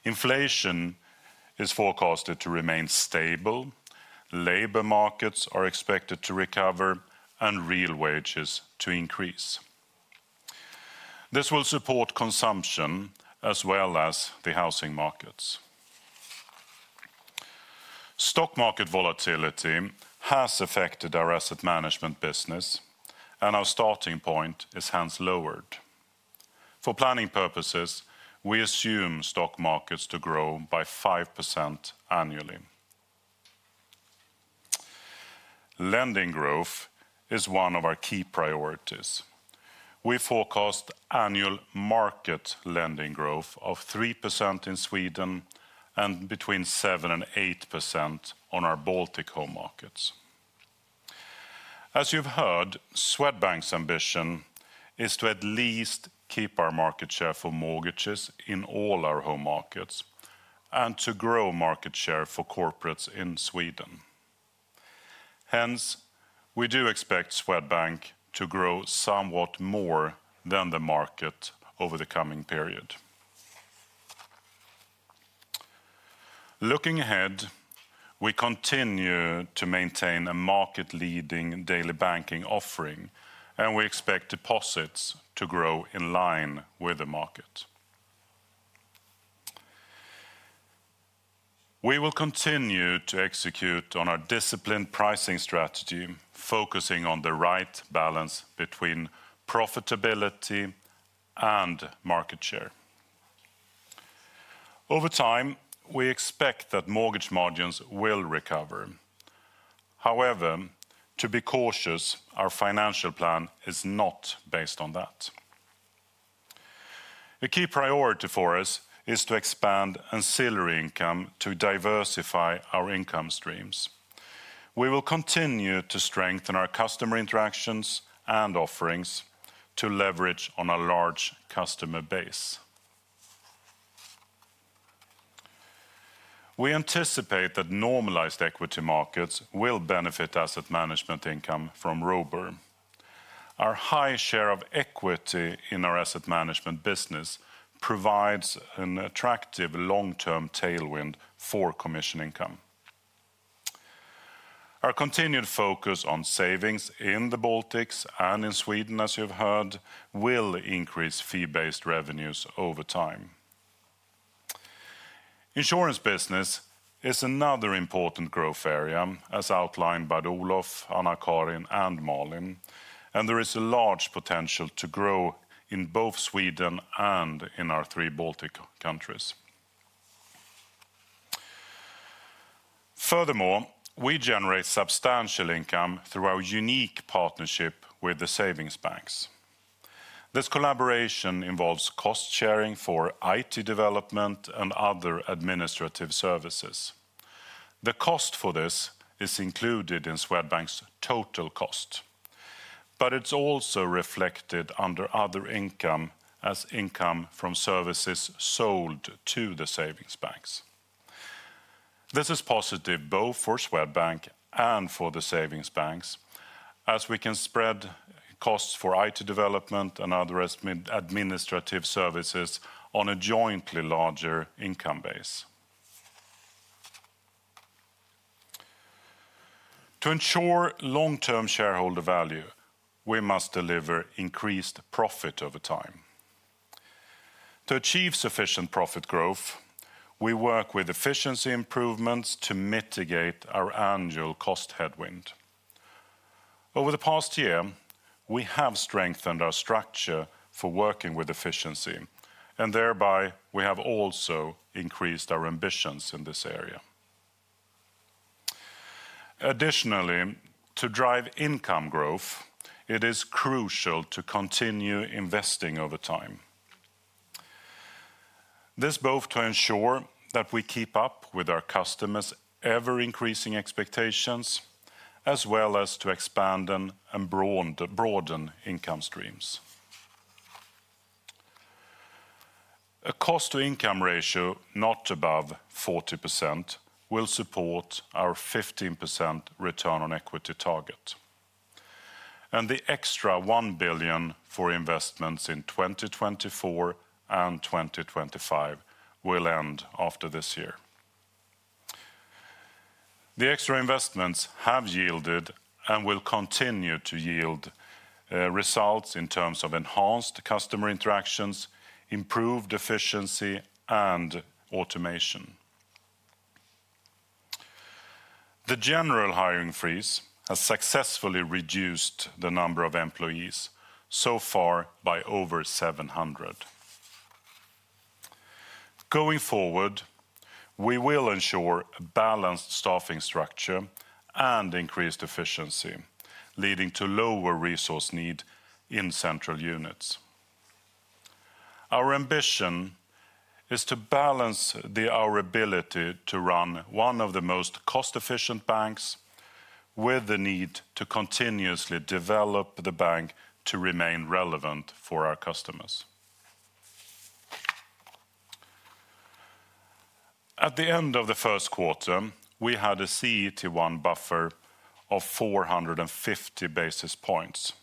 Inflation is forecasted to remain stable. Labor markets are expected to recover and real wages to increase. This will support consumption as well as the housing markets. Stock market volatility has affected our asset management business, and our starting point is hence lowered. For planning purposes, we assume stock markets to grow by 5% annually. Lending growth is one of our key priorities. We forecast annual market lending growth of 3% in Sweden and between 7% and 8% on our Baltic home markets. As you've heard, Swedbank's ambition is to at least keep our market share for mortgages in all our home markets and to grow market share for corporates in Sweden. Hence, we do expect Swedbank to grow somewhat more than the market over the coming period. Looking ahead, we continue to maintain a market-leading daily banking offering, and we expect deposits to grow in line with the market. We will continue to execute on our disciplined pricing strategy, focusing on the right balance between profitability and market share. Over time, we expect that mortgage margins will recover. However, to be cautious, our financial plan is not based on that. A key priority for us is to expand ancillary income to diversify our income streams. We will continue to strengthen our customer interactions and offerings to leverage on a large customer base. We anticipate that normalized equity markets will benefit asset management income from Robur. Our high share of equity in our asset management business provides an attractive long-term tailwind for commission income. Our continued focus on savings in the Baltics and in Sweden, as you have heard, will increase fee-based revenues over time. Insurance business is another important growth area, as outlined by Olof, Anna-Karin, and Malin, and there is a large potential to grow in both Sweden and in our three Baltic countries. Furthermore, we generate substantial income through our unique partnership with the savings banks. This collaboration involves cost sharing for IT development and other administrative services. The cost for this is included in Swedbank's total cost, but it's also reflected under other income as income from services sold to the savings banks. This is positive both for Swedbank and for the savings banks, as we can spread costs for IT development and other administrative services on a jointly larger income base. To ensure long-term shareholder value, we must deliver increased profit over time. To achieve sufficient profit growth, we work with efficiency improvements to mitigate our annual cost headwind. Over the past year, we have strengthened our structure for working with efficiency, and thereby we have also increased our ambitions in this area. Additionally, to drive income growth, it is crucial to continue investing over time. This is both to ensure that we keep up with our customers' ever-increasing expectations, as well as to expand and broaden income streams. A cost-to-income ratio not above 40% will support our 15% return on equity target, and the extra 1 billion for investments in 2024 and 2025 will end after this year. The extra investments have yielded and will continue to yield results in terms of enhanced customer interactions, improved efficiency, and automation. The general hiring freeze has successfully reduced the number of employees so far by over 700. Going forward, we will ensure a balanced staffing structure and increased efficiency, leading to lower resource need in central units. Our ambition is to balance our ability to run one of the most cost-efficient banks with the need to continuously develop the bank to remain relevant for our customers. At the end of the first quarter, we had a CET1 buffer of 450 basis points.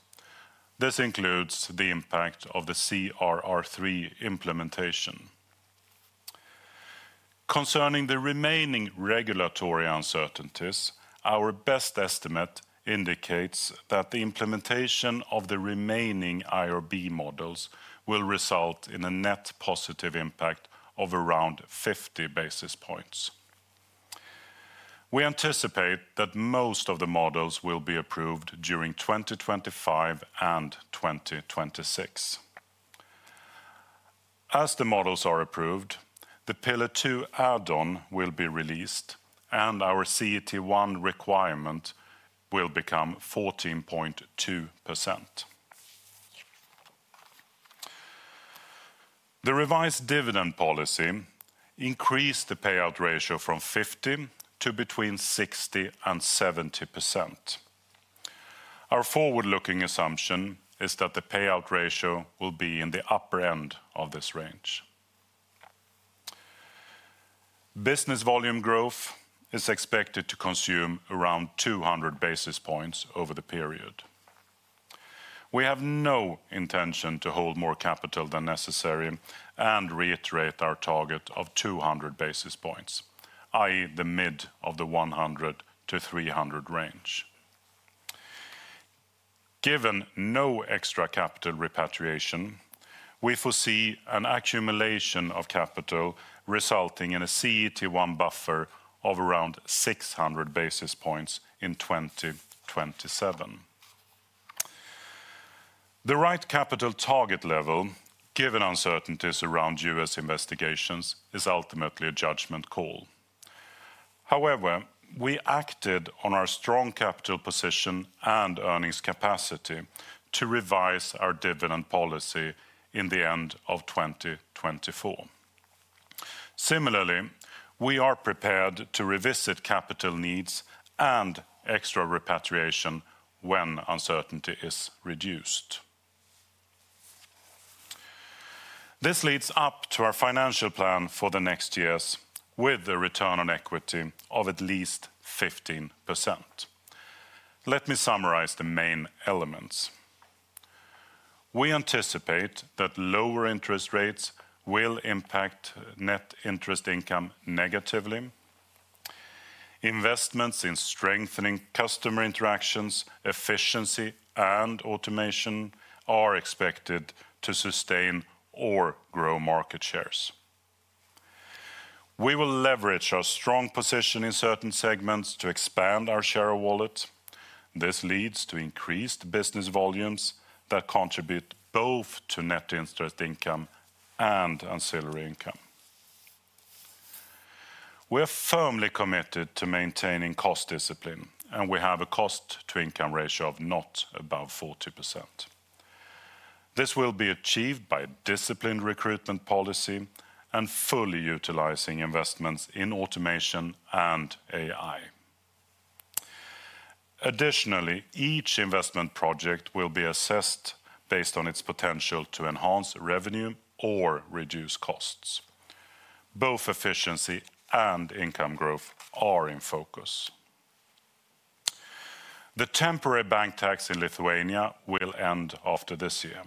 This includes the impact of the CRR3 implementation. Concerning the remaining regulatory uncertainties, our best estimate indicates that the implementation of the remaining IRB models will result in a net positive impact of around 50 basis points. We anticipate that most of the models will be approved during 2025 and 2026. As the models are approved, the Pillar 2 add-on will be released, and our CET1 requirement will become 14.2%. The revised dividend policy increased the payout ratio from 50% to between 60-70%. Our forward-looking assumption is that the payout ratio will be in the upper end of this range. Business volume growth is expected to consume around 200 basis points over the period. We have no intention to hold more capital than necessary and reiterate our target of 200 basis points, i.e., the mid of the 100-300 range. Given no extra capital repatriation, we foresee an accumulation of capital resulting in a CET1 buffer of around 600 basis points in 2027. The right capital target level, given uncertainties around U.S. investigations, is ultimately a judgment call. However, we acted on our strong capital position and earnings capacity to revise our dividend policy in the end of 2024. Similarly, we are prepared to revisit capital needs and extra repatriation when uncertainty is reduced. This leads up to our financial plan for the next years with a return on equity of at least 15%. Let me summarize the main elements. We anticipate that lower interest rates will impact net interest income negatively. Investments in strengthening customer interactions, efficiency, and automation are expected to sustain or grow market shares. We will leverage our strong position in certain segments to expand our share of wallet. This leads to increased business volumes that contribute both to net interest income and ancillary income. We are firmly committed to maintaining cost discipline, and we have a cost-to-income ratio of not above 40%. This will be achieved by disciplined recruitment policy and fully utilizing investments in automation and AI. Additionally, each investment project will be assessed based on its potential to enhance revenue or reduce costs. Both efficiency and income growth are in focus. The temporary bank tax in Lithuania will end after this year.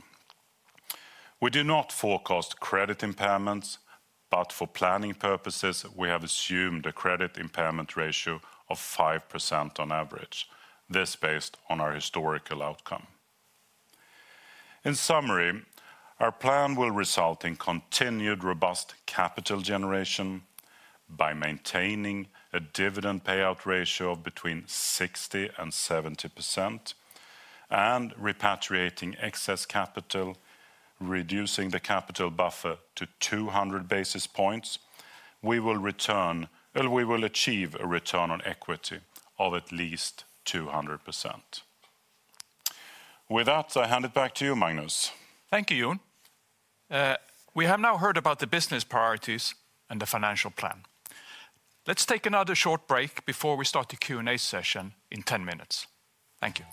We do not forecast credit impairments, but for planning purposes, we have assumed a credit impairment ratio of 5 basis points on average, this based on our historical outcome. In summary, our plan will result in continued robust capital generation by maintaining a dividend payout ratio of between 60% and 70% and repatriating excess capital, reducing the capital buffer to 200 basis points. We will achieve a return on equity of at least 200%. With that, I hand it back to you, Magnus. Thank you, Jon. We have now heard about the business priorities and the financial plan. Let's take another short break before we start the Q&A session in 10 minutes. Thank you.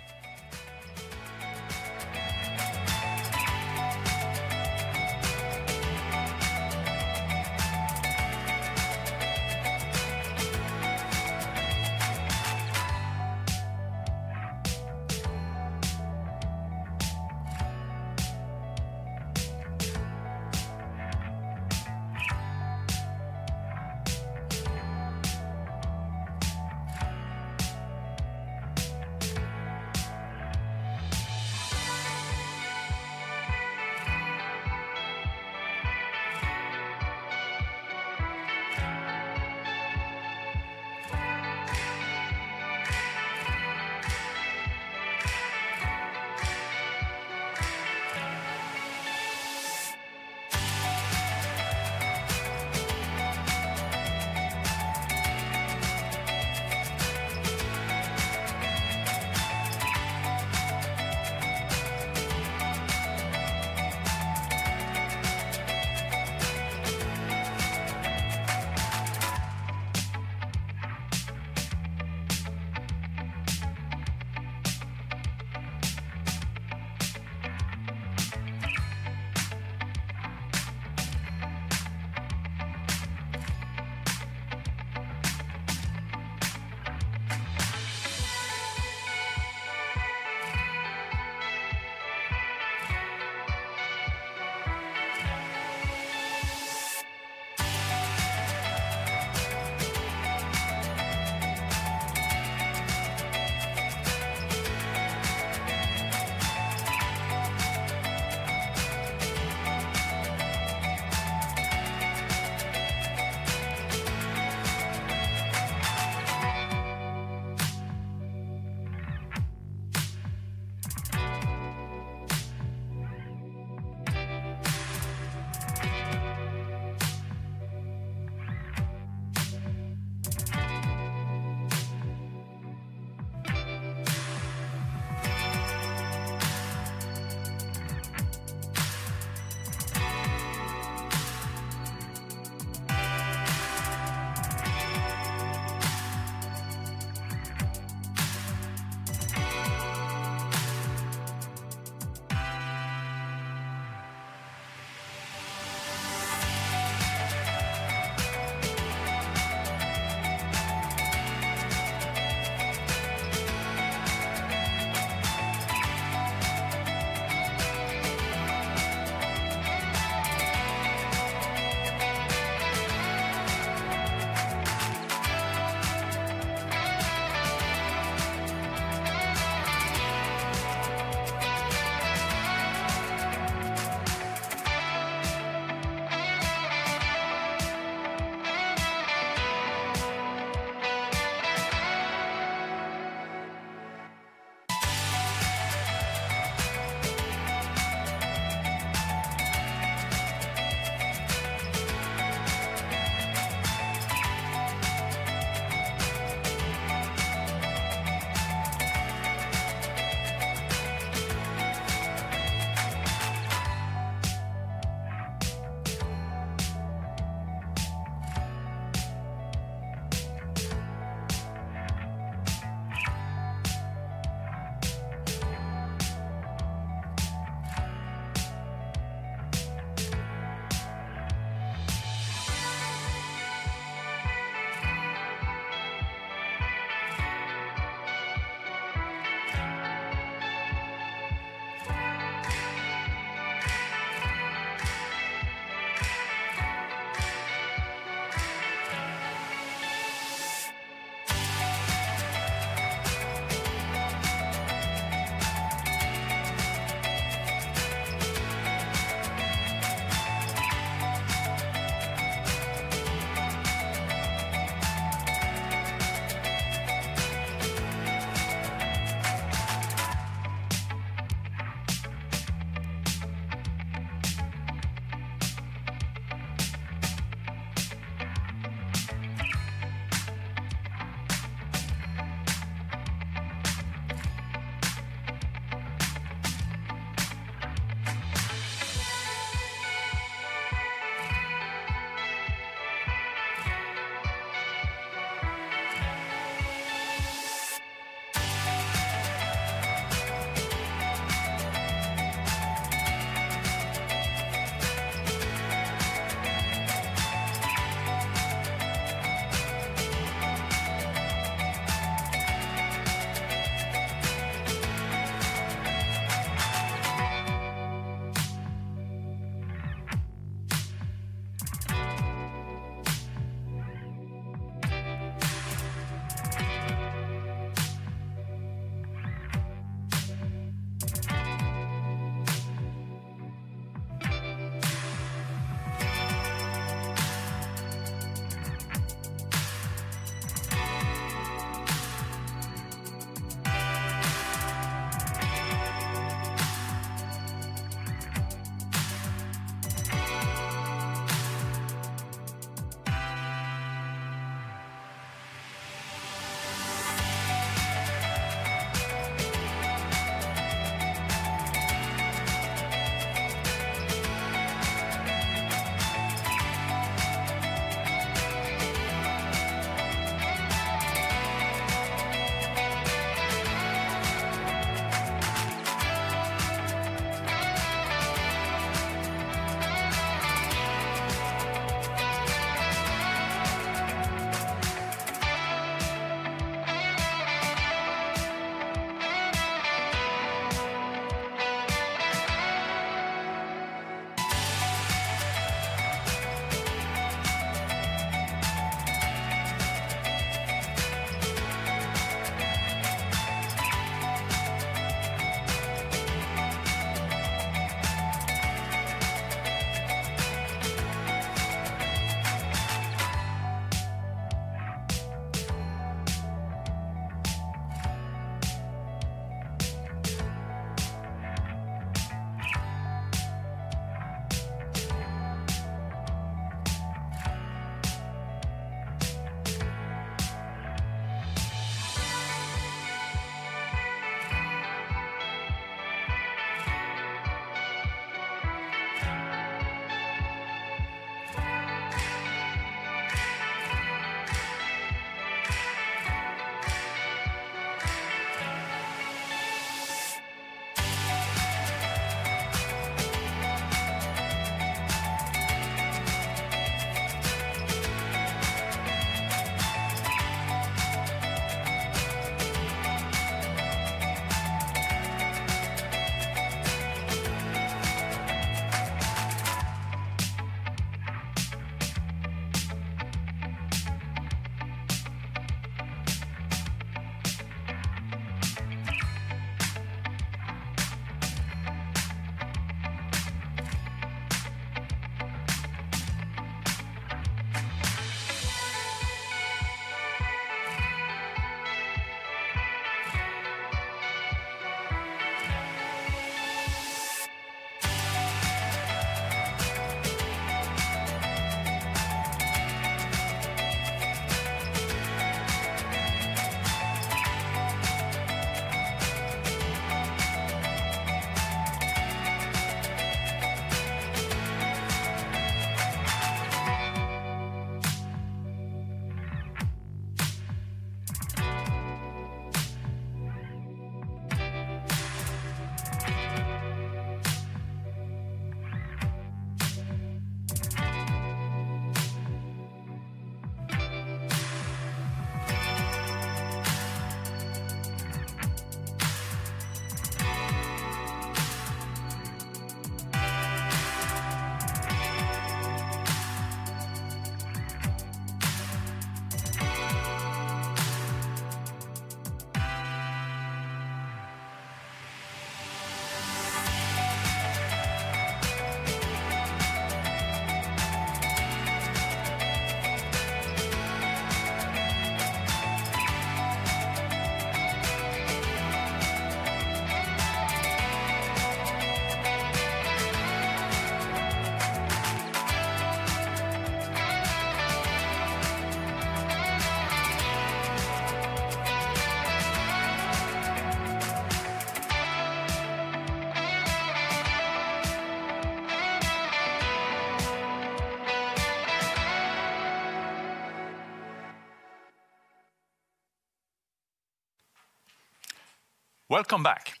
Welcome back.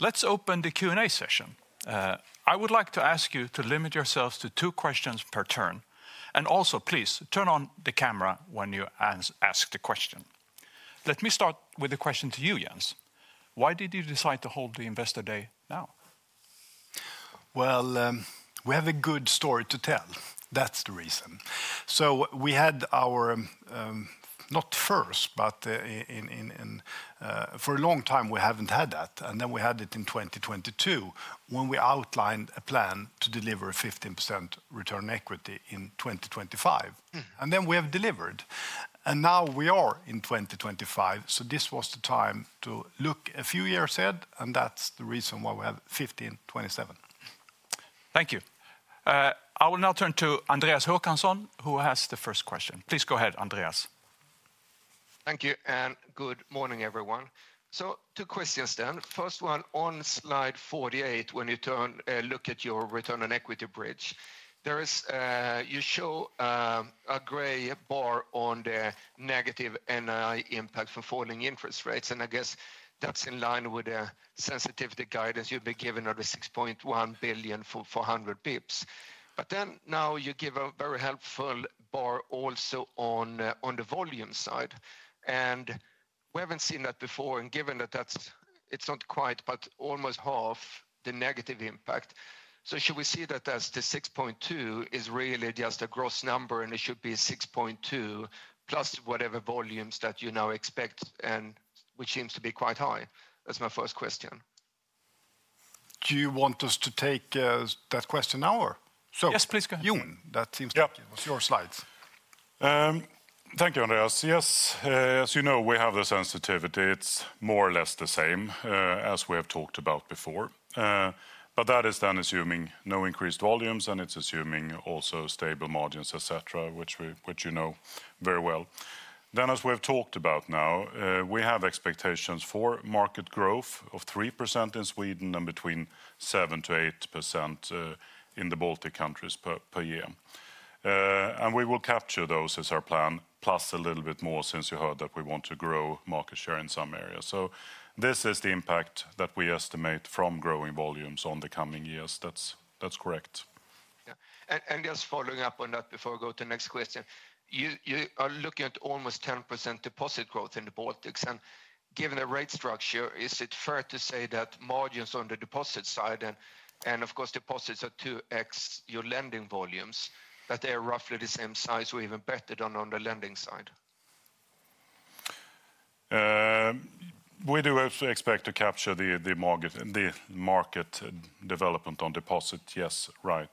Let's open the Q&A session. I would like to ask you to limit yourselves to two questions per turn. Also, please turn on the camera when you ask the question. Let me start with the question to you, Jens. Why did you decide to hold the Investor Day now? We have a good story to tell. That's the reason. We had our—not first, but in—for a long time, we haven't had that. We had it in 2022 when we outlined a plan to deliver a 15% return on equity in 2025. Then we have delivered. Now we are in 2025. This was the time to look a few years ahead. That is the reason why we have 1527. Thank you. I will now turn to Andreas Håkansson, who has the first question. Please go ahead, Andreas. Thank you. Good morning, everyone. Two questions then. First one, on slide 48, when you turn and look at your return on equity bridge, you show a gray bar on the negative NI impact from falling interest rates. I guess that is in line with the sensitivity guidance you have given on the 6.1 billion for 400 basis points. Now you give a very helpful bar also on the volume side. We have not seen that before. Given that, it is not quite, but almost half the negative impact. Should we see that as the 6.2 is really just a gross number and it should be 6.2 plus whatever volumes that you now expect, which seems to be quite high? That's my first question. Do you want us to take that question now or so? Yes, please go ahead. Jon, that seems to be—that was your slides. Thank you, Andreas. Yes, as you know, we have the sensitivity. It's more or less the same as we have talked about before. That is then assuming no increased volumes and it's assuming also stable margins, etc., which you know very well. As we have talked about now, we have expectations for market growth of 3% in Sweden and between 7%-8% in the Baltic countries per year. We will capture those as our plan, plus a little bit more since you heard that we want to grow market share in some areas. This is the impact that we estimate from growing volumes in the coming years. That's correct. Just following up on that before I go to the next question, you are looking at almost 10% deposit growth in the Baltics. Given the rate structure, is it fair to say that margins on the deposit side, and of course deposits are 2x your lending volumes, that they are roughly the same size or even better than on the lending side? We do expect to capture the market development on deposits, yes, right.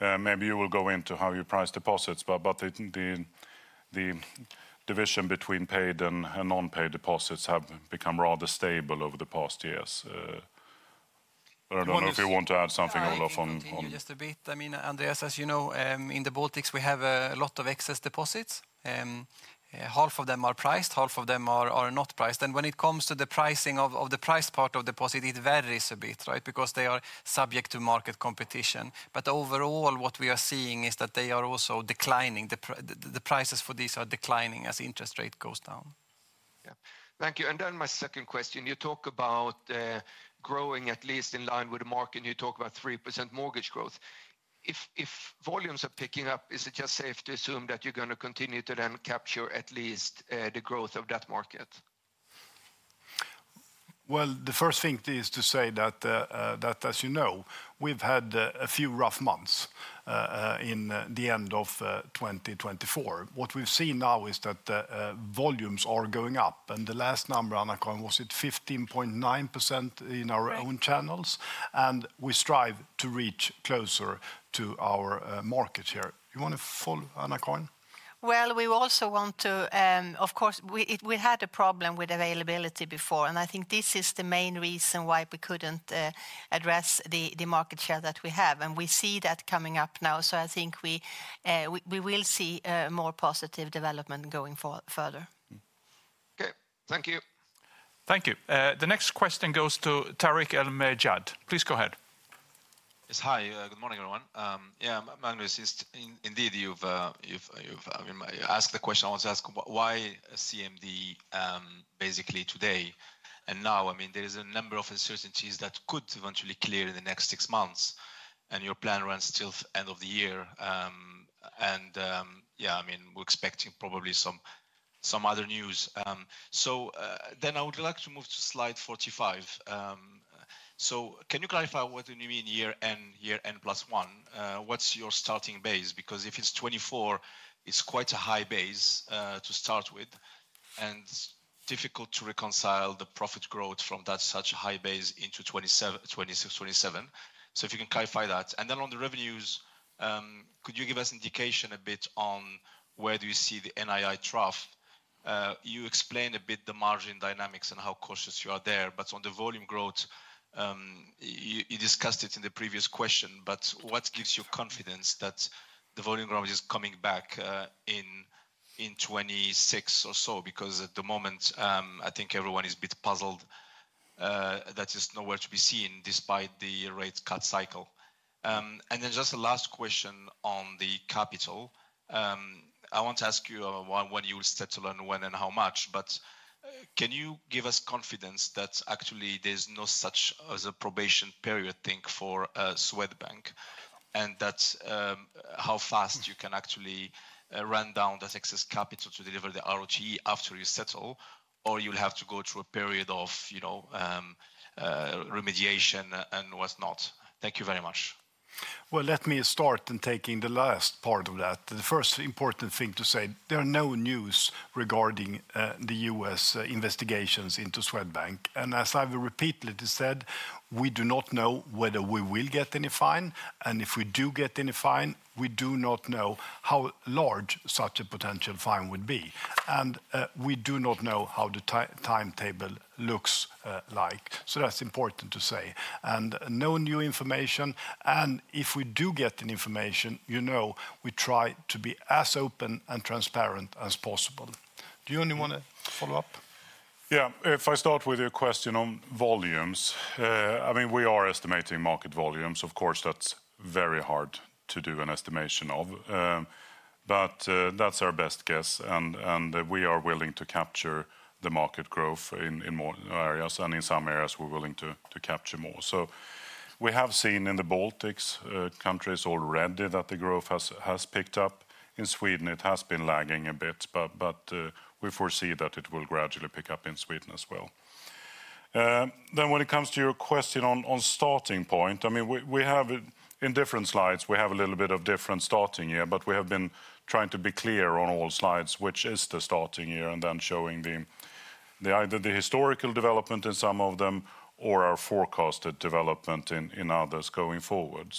Maybe you will go into how you price deposits, but the division between paid and non-paid deposits has become rather stable over the past years. I don't know if you want to add something on that. Just a bit. I mean, Andreas, as you know, in the Baltics, we have a lot of excess deposits. Half of them are priced, half of them are not priced. When it comes to the pricing of the priced part of deposit, it varies a bit, right? Because they are subject to market competition. Overall, what we are seeing is that they are also declining. The prices for these are declining as interest rate goes down. Yeah, thank you. My second question, you talk about growing at least in line with the market. You talk about 3% mortgage growth. If volumes are picking up, is it just safe to assume that you're going to continue to then capture at least the growth of that market? The first thing is to say that, as you know, we've had a few rough months in the end of 2024. What we've seen now is that volumes are going up. And the last number, Anna-Karin, was it 15.9% in our own channels? We strive to reach closer to our market share. You want to follow, Anna-Karin? We also want to, of course, we had a problem with availability before. I think this is the main reason why we couldn't address the market share that we have. We see that coming up now. I think we will see more positive development going forward further. Okay, thank you. Thank you. The next question goes to Tarek El-Mehjad. Please go ahead. Yes, hi. Good morning, everyone. Yeah, Magnus, indeed, you've asked the question. I want to ask why CMD basically today. Now, I mean, there is a number of uncertainties that could eventually clear in the next six months. Your plan runs till the end of the year. Yeah, I mean, we're expecting probably some other news. I would like to move to slide 45. Can you clarify what you mean year N, year N plus one? What's your starting base? Because if it's 2024, it's quite a high base to start with. It's difficult to reconcile the profit growth from such a high base into 2026, 2027. If you can clarify that. On the revenues, could you give us an indication a bit on where you see the NII trough? You explained a bit the margin dynamics and how cautious you are there. On the volume growth, you discussed it in the previous question. What gives you confidence that the volume growth is coming back in 2026 or so? At the moment, I think everyone is a bit puzzled that it is nowhere to be seen despite the rate cut cycle. Just a last question on the capital. I want to ask you when you will settle and when and how much. Can you give us confidence that actually there is no such thing as a probation period for Swedbank? How fast can you actually run down that excess capital to deliver the ROT after you settle, or will you have to go through a period of remediation and whatnot? Thank you very much. Let me start in taking the last part of that. The first important thing to say, there are no news regarding the U.S. investigations into Swedbank. As I have repeatedly said, we do not know whether we will get any fine. If we do get any fine, we do not know how large such a potential fine would be. We do not know how the timetable looks. That is important to say. No new information. If we do get the information, you know, we try to be as open and transparent as possible. Do you only want to follow up? Yeah, if I start with your question on volumes, I mean, we are estimating market volumes. Of course, that is very hard to do an estimation of, but that is our best guess. We are willing to capture the market growth in more areas. In some areas, we are willing to capture more. We have seen in the Baltic countries already that the growth has picked up. In Sweden, it has been lagging a bit. We foresee that it will gradually pick up in Sweden as well. When it comes to your question on starting point, I mean, we have in different slides, we have a little bit of different starting year. We have been trying to be clear on all slides, which is the starting year and then showing either the historical development in some of them or our forecasted development in others going forward.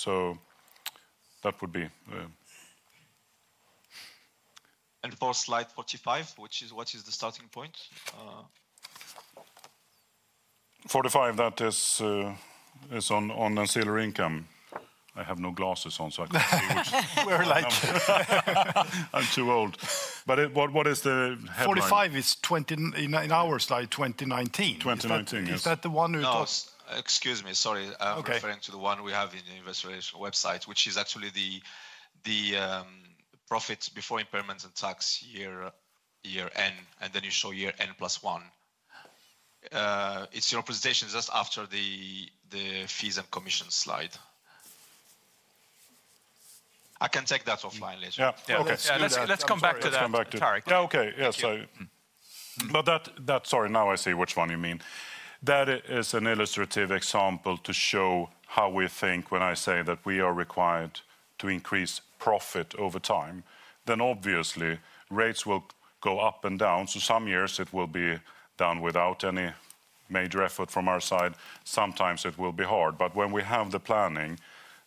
That would be. For slide 45, which is what is the starting point? Forty-five, that is on ancillary income. I have no glasses on, so I can't see which. We're like, I'm too old. What is the headline? Forty-five is in our slide, 2019. 2019, yes. Is that the one we've got? Excuse me, sorry. I'm referring to the one we have in the investor website, which is actually the profit before impairments and tax year N, and then you show year N + one. It's your presentation just after the fees and commissions slide. I can take that offline later. Yeah, okay. Let's come back to that. Let's come back to Tarek. Yeah, okay. Yeah, sorry. But that, sorry, now I see which one you mean. That is an illustrative example to show how we think when I say that we are required to increase profit over time, then obviously rates will go up and down. Some years it will be done without any major effort from our side. Sometimes it will be hard. When we have the planning,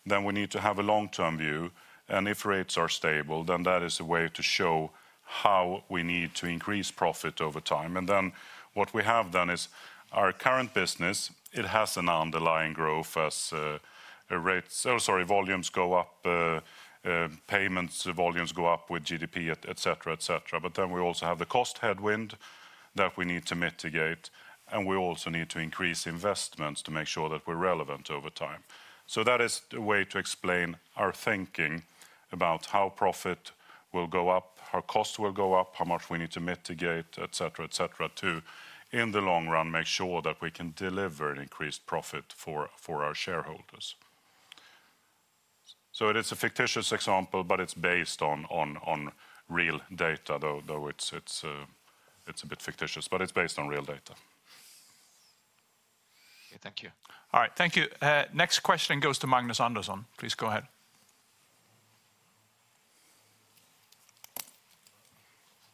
then we need to have a long-term view. If rates are stable, that is a way to show how we need to increase profit over time. What we have done is our current business has an underlying growth as rates, sorry, volumes go up, payments volumes go up with GDP, etc., etc. We also have the cost headwind that we need to mitigate. We also need to increase investments to make sure that we are relevant over time. That is a way to explain our thinking about how profit will go up, how cost will go up, how much we need to mitigate, etc., etc., to in the long run make sure that we can deliver an increased profit for our shareholders. It is a fictitious example, but it is based on real data, though it is a bit fictitious, but it is based on real data. Thank you. All right, thank you. Next question goes to Magnus Andersson. Please go ahead.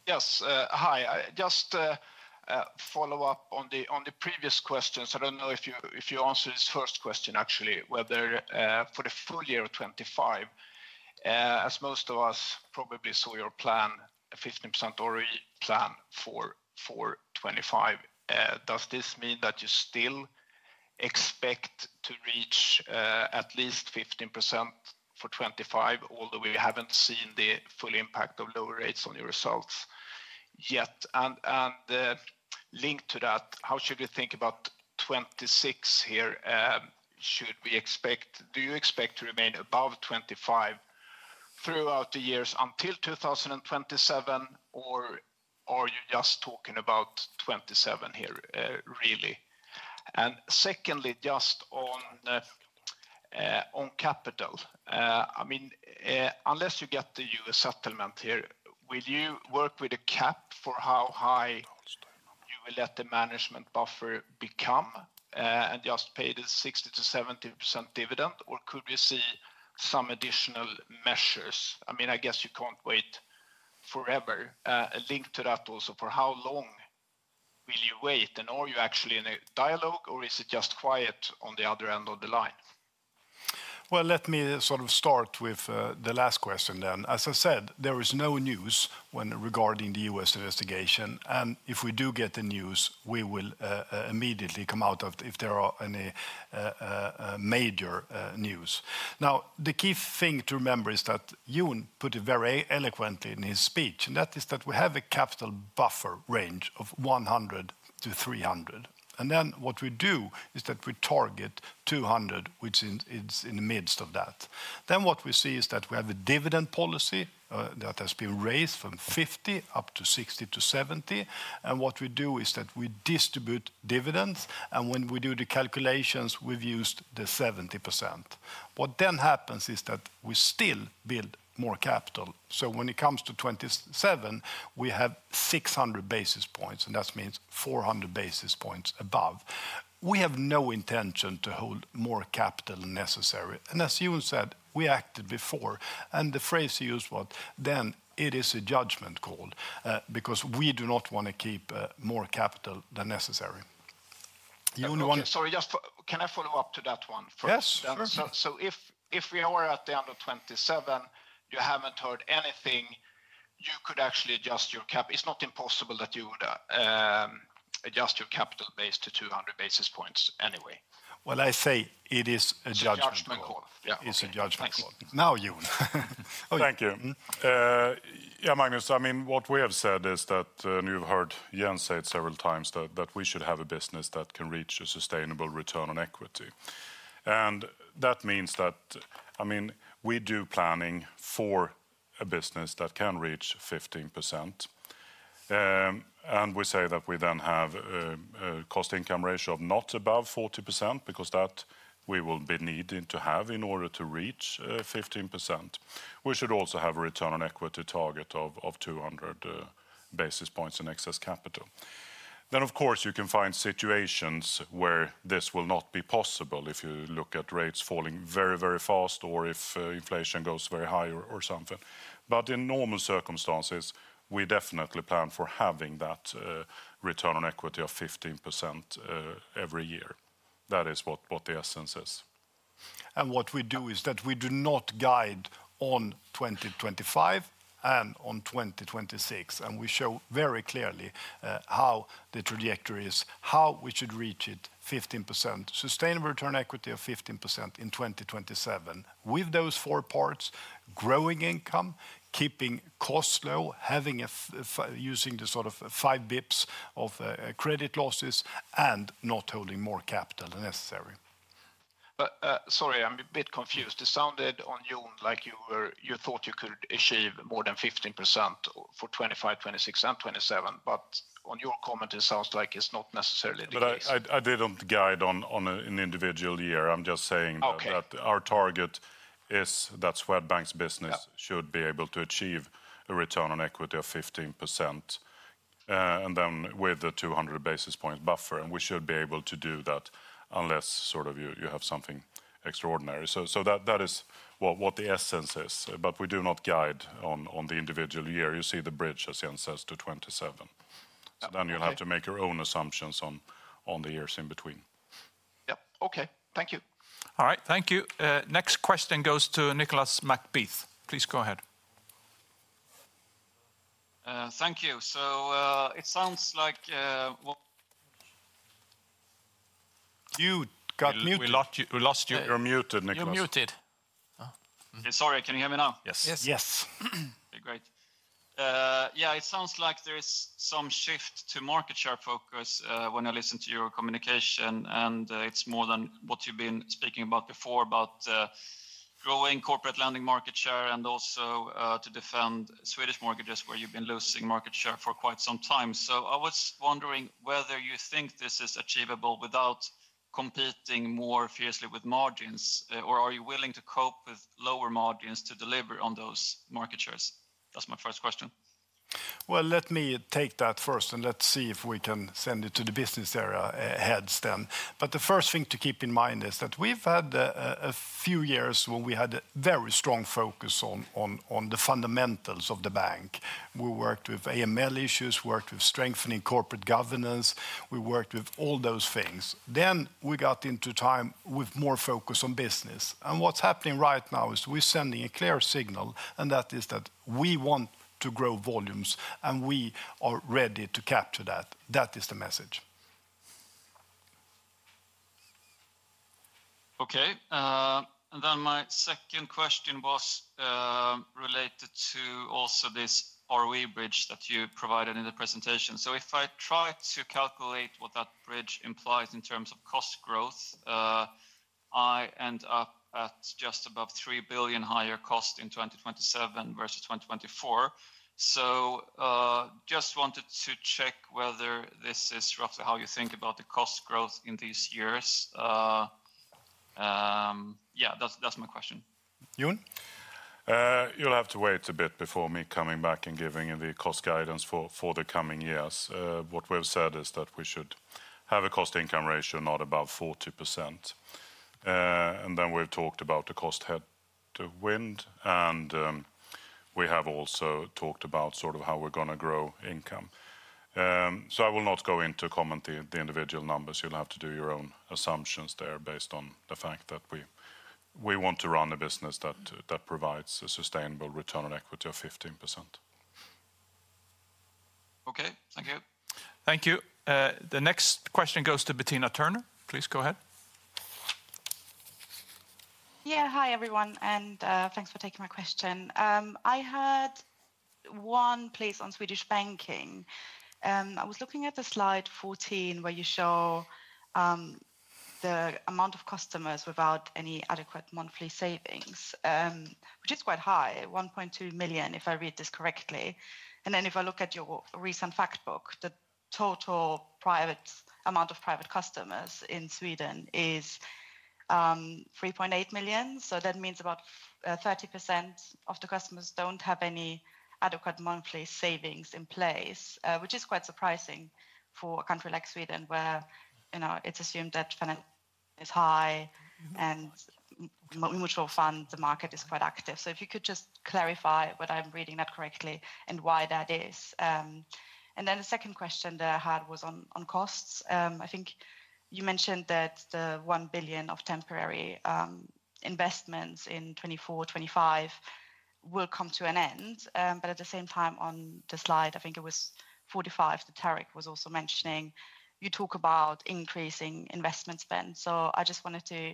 Yes, hi. Just follow up on the previous question. I do not know if you answered his first question, actually, whether for the full year of 2025, as most of us probably saw your plan, a 15% ROE plan for 2025, does this mean that you still expect to reach at least 15% for 2025, although we have not seen the full impact of lower rates on your results yet? Linked to that, how should we think about 2026 here? Should we expect, do you expect to remain above 15% throughout the years until 2027, or are you just talking about 2027 here, really? Secondly, just on capital, I mean, unless you get the U.S. settlement here, will you work with a cap for how high you will let the management buffer become and just pay the 60-70% dividend, or could we see some additional measures? I mean, I guess you can't wait forever. Linked to that also, for how long will you wait? Are you actually in a dialogue, or is it just quiet on the other end of the line? Let me sort of start with the last question then. As I said, there is no news regarding the U.S. investigation. If we do get the news, we will immediately come out if there are any major news. Now, the key thing to remember is that Jon put it very eloquently in his speech, and that is that we have a capital buffer range of 100-300. What we do is that we target 200, which is in the midst of that. What we see is that we have a dividend policy that has been raised from 50 up to 60-70. What we do is that we distribute dividends. When we do the calculations, we've used the 70%. What then happens is that we still build more capital. When it comes to 2027, we have 600 basis points, and that means 400 basis points above. We have no intention to hold more capital than necessary. As Jon said, we acted before. The phrase he used, what then, it is a judgment call because we do not want to keep more capital than necessary. Sorry, just can I follow up to that one? Yes, of course. If we are at the end of 2027, you have not heard anything, you could actually adjust your capital. It is not impossible that you would adjust your capital base to 200 basis points anyway. I say it is a judgment call. It is a judgment call. Now, Jon. Thank you. Yeah, Magnus, I mean, what we have said is that you have heard Jens say it several times that we should have a business that can reach a sustainable return on equity. That means that, I mean, we do planning for a business that can reach 15%. We say that we then have a cost-to-income ratio of not above 40% because that we will be needing to have in order to reach 15%. We should also have a return on equity target of 200 basis points in excess capital. Of course, you can find situations where this will not be possible if you look at rates falling very, very fast or if inflation goes very high or something. In normal circumstances, we definitely plan for having that return on equity of 15% every year. That is what the essence is. What we do is that we do not guide on 2025 and on 2026. We show very clearly how the trajectory is, how we should reach it, 15% sustainable return on equity of 15% in 2027 with those four parts, growing income, keeping costs low, using the sort of five basis points of credit losses and not holding more capital than necessary. Sorry, I'm a bit confused. It sounded on Jon like you thought you could achieve more than 15% for 2025, 2026, and 2027. On your comment, it sounds like it's not necessarily the case. I didn't guide on an individual year. I'm just saying that our target is that Swedbank's business should be able to achieve a return on equity of 15% and then with the 200 basis points buffer. We should be able to do that unless you have something extraordinary. That is what the essence is. But we do not guide on the individual year. You see the bridge, as Jens says, to 2027. You will have to make your own assumptions on the years in between. Yep. Okay. Thank you. All right. Thank you. Next question goes to Nicholas McBeath. Please go ahead. Thank you. It sounds like you got muted. We lost you. You are muted, Nicholas. You are muted. Sorry, can you hear me now? Yes. Yes. Okay, great. It sounds like there is some shift to market share focus when I listen to your communication. It is more than what you have been speaking about before about growing corporate lending market share and also to defend Swedish mortgages where you have been losing market share for quite some time. I was wondering whether you think this is achievable without competing more fiercely with margins, or are you willing to cope with lower margins to deliver on those market shares? That is my first question. Let me take that first and see if we can send it to the business area heads then. The first thing to keep in mind is that we have had a few years when we had a very strong focus on the fundamentals of the bank. We worked with AML issues, worked with strengthening corporate governance. We worked with all those things. We got into a time with more focus on business. What is happening right now is we are sending a clear signal, and that is that we want to grow volumes and we are ready to capture that. That is the message. Okay. Then my second question was related to also this ROE bridge that you provided in the presentation. If I try to calculate what that bridge implies in terms of cost growth, I end up at just above 3 billion higher cost in 2027 versus 2024. I just wanted to check whether this is roughly how you think about the cost growth in these years. Yeah, that's my question. Jon? You'll have to wait a bit before me coming back and giving you the cost guidance for the coming years. What we've said is that we should have a cost-to-income ratio not above 40%. We've talked about the cost headwind. We have also talked about how we're going to grow income. I will not go into commenting on the individual numbers. You'll have to do your own assumptions there based on the fact that we want to run a business that provides a sustainable return on equity of 15%. Okay. Thank you. Thank you. The next question goes to Bettina Thurner. Please go ahead. Yeah, hi everyone. And thanks for taking my question. I had one place on Swedish banking. I was looking at the slide 14 where you show the amount of customers without any adequate monthly savings, which is quite high, 1.2 million if I read this correctly. And then if I look at your recent fact book, the total amount of private customers in Sweden is 3.8 million. So that means about 30% of the customers don't have any adequate monthly savings in place, which is quite surprising for a country like Sweden where it's assumed that financial is high and mutual fund, the market is quite active. If you could just clarify that I am reading that correctly and why that is. The second question that I had was on costs. I think you mentioned that the 1 billion of temporary investments in 2024, 2025 will come to an end. At the same time, on the slide, I think it was 45, Tariq was also mentioning, you talk about increasing investment spend. I just wanted to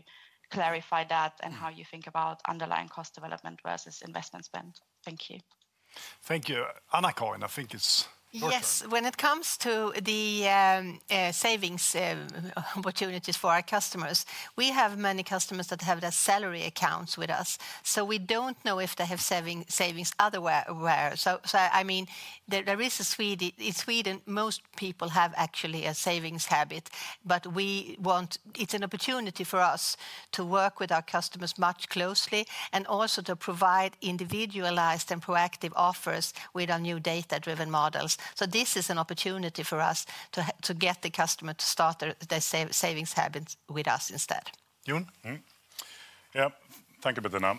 clarify that and how you think about underlying cost development versus investment spend. Thank you. Thank you. Anna-Karin, I think it is perfect. Yes, when it comes to the savings opportunities for our customers, we have many customers that have their salary accounts with us. We do not know if they have savings otherwise. I mean, in Sweden, most people actually have a savings habit. want it. It is an opportunity for us to work with our customers much more closely and also to provide individualized and proactive offers with our new data-driven models. This is an opportunity for us to get the customer to start their savings habits with us instead. Jon? Yeah, thank you, Bettina.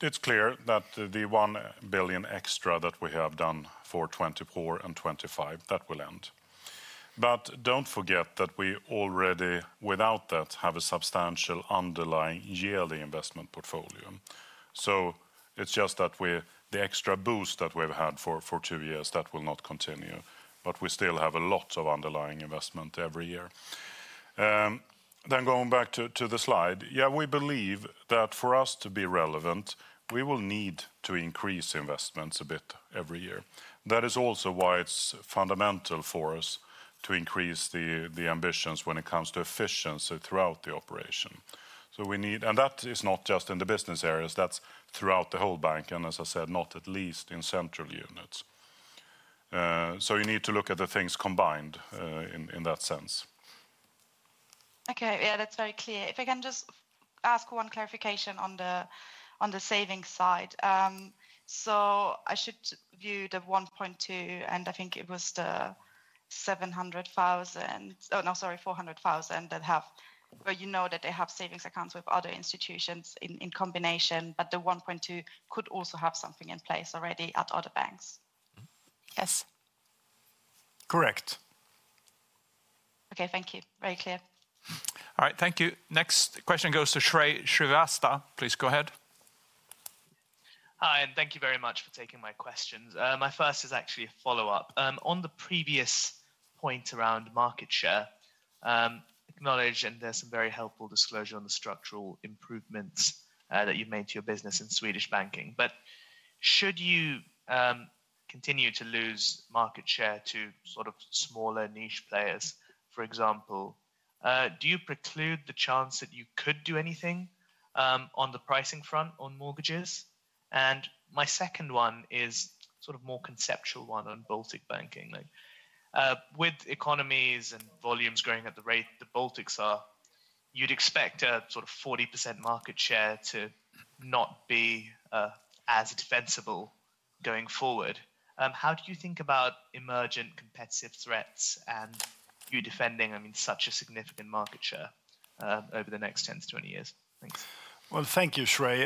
It is clear that the 1 billion extra that we have done for 2024 and 2025, that will end. Do not forget that we already, without that, have a substantial underlying yearly investment portfolio. It is just that the extra boost that we have had for two years, that will not continue. We still have a lot of underlying investment every year. Going back to the slide, we believe that for us to be relevant, we will need to increase investments a bit every year. That is also why it's fundamental for us to increase the ambitions when it comes to efficiency throughout the operation. We need, and that is not just in the business areas, that's throughout the whole bank. As I said, not at least in central units. You need to look at the things combined in that sense. Okay, yeah, that's very clear. If I can just ask one clarification on the savings side. I should view the 1.2, and I think it was the 700,000, oh no, sorry, 400,000 that have, where you know that they have savings accounts with other institutions in combination. The 1.2 could also have something in place already at other banks. Yes. Correct. Okay, thank you. Very clear. All right, thank you. Next question goes to Shrey Srivastava. Please go ahead. Hi, and thank you very much for taking my questions. My first is actually a follow-up. On the previous point around market share, acknowledge, and there's some very helpful disclosure on the structural improvements that you've made to your business in Swedish banking. But should you continue to lose market share to sort of smaller niche players, for example, do you preclude the chance that you could do anything on the pricing front on mortgages? My second one is sort of a more conceptual one on Baltic banking. With economies and volumes growing at the rate the Baltics are, you'd expect a sort of 40% market share to not be as defensible going forward. How do you think about emergent competitive threats and you defending, I mean, such a significant market share over the next 10 to 20 years? Thanks. Thank you, Sri.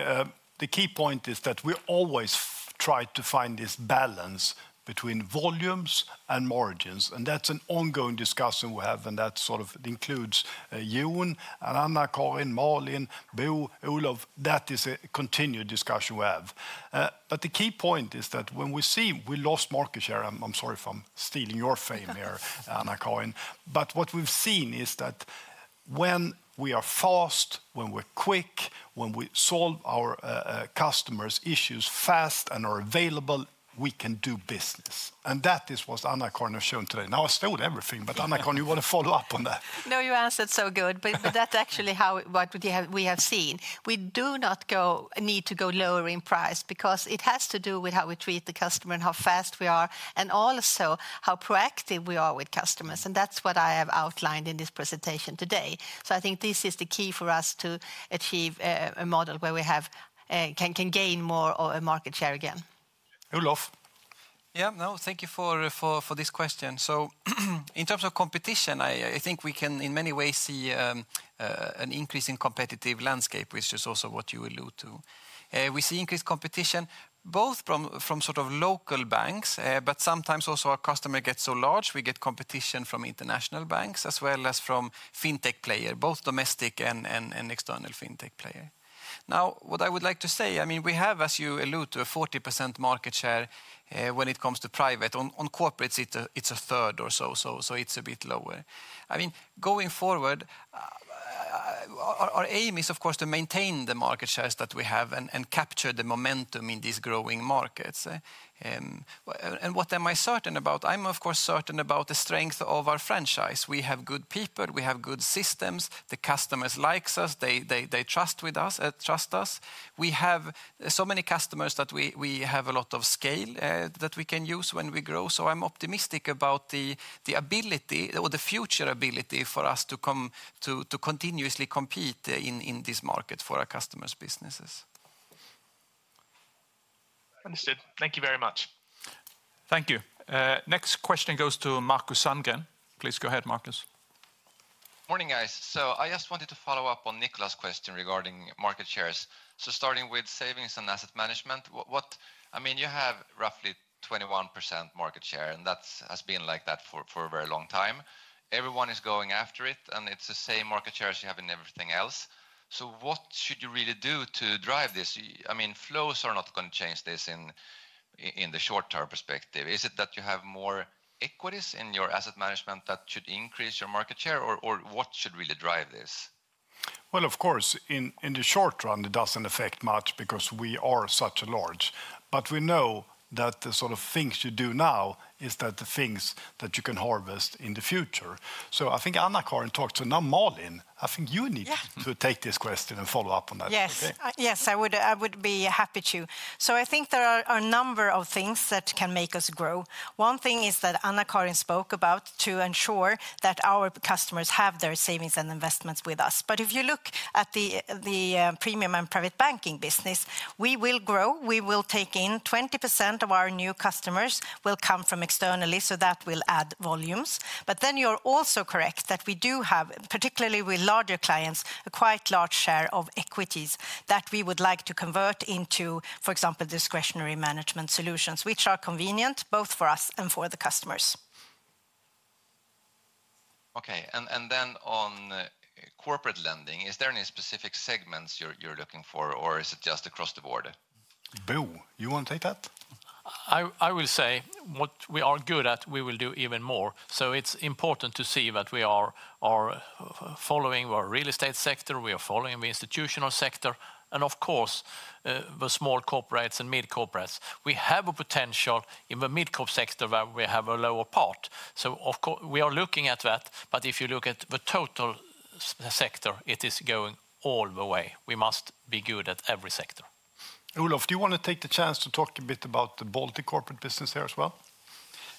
The key point is that we always try to find this balance between volumes and margins. That is an ongoing discussion we have. That sort of includes Jon, Anna-Karin, Malin, Bo, Olof. That is a continued discussion we have. The key point is that when we see we lost market share, I'm sorry if I'm stealing your fame here, Anna-Karin. What we've seen is that when we are fast, when we're quick, when we solve our customers' issues fast and are available, we can do business. That is what Anna-Karin has shown today. Now, I've stolen everything, but Anna-Karin, you want to follow up on that? No, you answered so good. That is actually what we have seen. We do not need to go lower in price because it has to do with how we treat the customer and how fast we are and also how proactive we are with customers. That is what I have outlined in this presentation today. I think this is the key for us to achieve a model where we can gain more of a market share again. Olof. Yeah, no, thank you for this question. In terms of competition, I think we can in many ways see an increase in competitive landscape, which is also what you alluded to. We see increased competition both from sort of local banks, but sometimes also our customer gets so large, we get competition from international banks as well as from fintech players, both domestic and external fintech players. Now, what I would like to say, I mean, we have, as you alluded to, a 40% market share when it comes to private. On corporates, it is a third or so, so it is a bit lower. I mean, going forward, our aim is, of course, to maintain the market shares that we have and capture the momentum in these growing markets. And what am I certain about? I'm, of course, certain about the strength of our franchise. We have good people, we have good systems, the customers like us, they trust with us. We have so many customers that we have a lot of scale that we can use when we grow. I'm optimistic about the ability or the future ability for us to continue to compete in this market for our customers' businesses. Understood. Thank you very much. Thank you. Next question goes to Markus Sandgren. Please go ahead, Markus. Morning, guys. I just wanted to follow up on Nicholas' question regarding market shares. Starting with savings and asset management, I mean, you have roughly 21% market share, and that has been like that for a very long time. Everyone is going after it, and it's the same market shares you have in everything else. What should you really do to drive this? I mean, flows are not going to change this in the short-term perspective. Is it that you have more equities in your asset management that should increase your market share, or what should really drive this? Of course, in the short run, it doesn't affect much because we are such a large. We know that the sort of things you do now is that the things that you can harvest in the future. I think Anna-Karin talked to now Malin. I think you need to take this question and follow up on that. Yes, yes, I would be happy to. I think there are a number of things that can make us grow. One thing is that Anna-Karin spoke about to ensure that our customers have their savings and investments with us. If you look at the premium and private banking business, we will grow. We will take in 20% of our new customers will come from externally, so that will add volumes. You are also correct that we do have, particularly with larger clients, a quite large share of equities that we would like to convert into, for example, discretionary management solutions, which are convenient both for us and for the customers. Okay, and then on corporate lending, is there any specific segments you are looking for, or is it just across the board? Bo, you want to take that? I will say what we are good at, we will do even more. It is important to see that we are following our real estate sector, we are following the institutional sector, and of course, the small corporates and mid-corporates. We have a potential in the mid-corp sector where we have a lower part. We are looking at that. If you look at the total sector, it is going all the way. We must be good at every sector. Olof, do you want to take the chance to talk a bit about the Baltic corporate business here as well?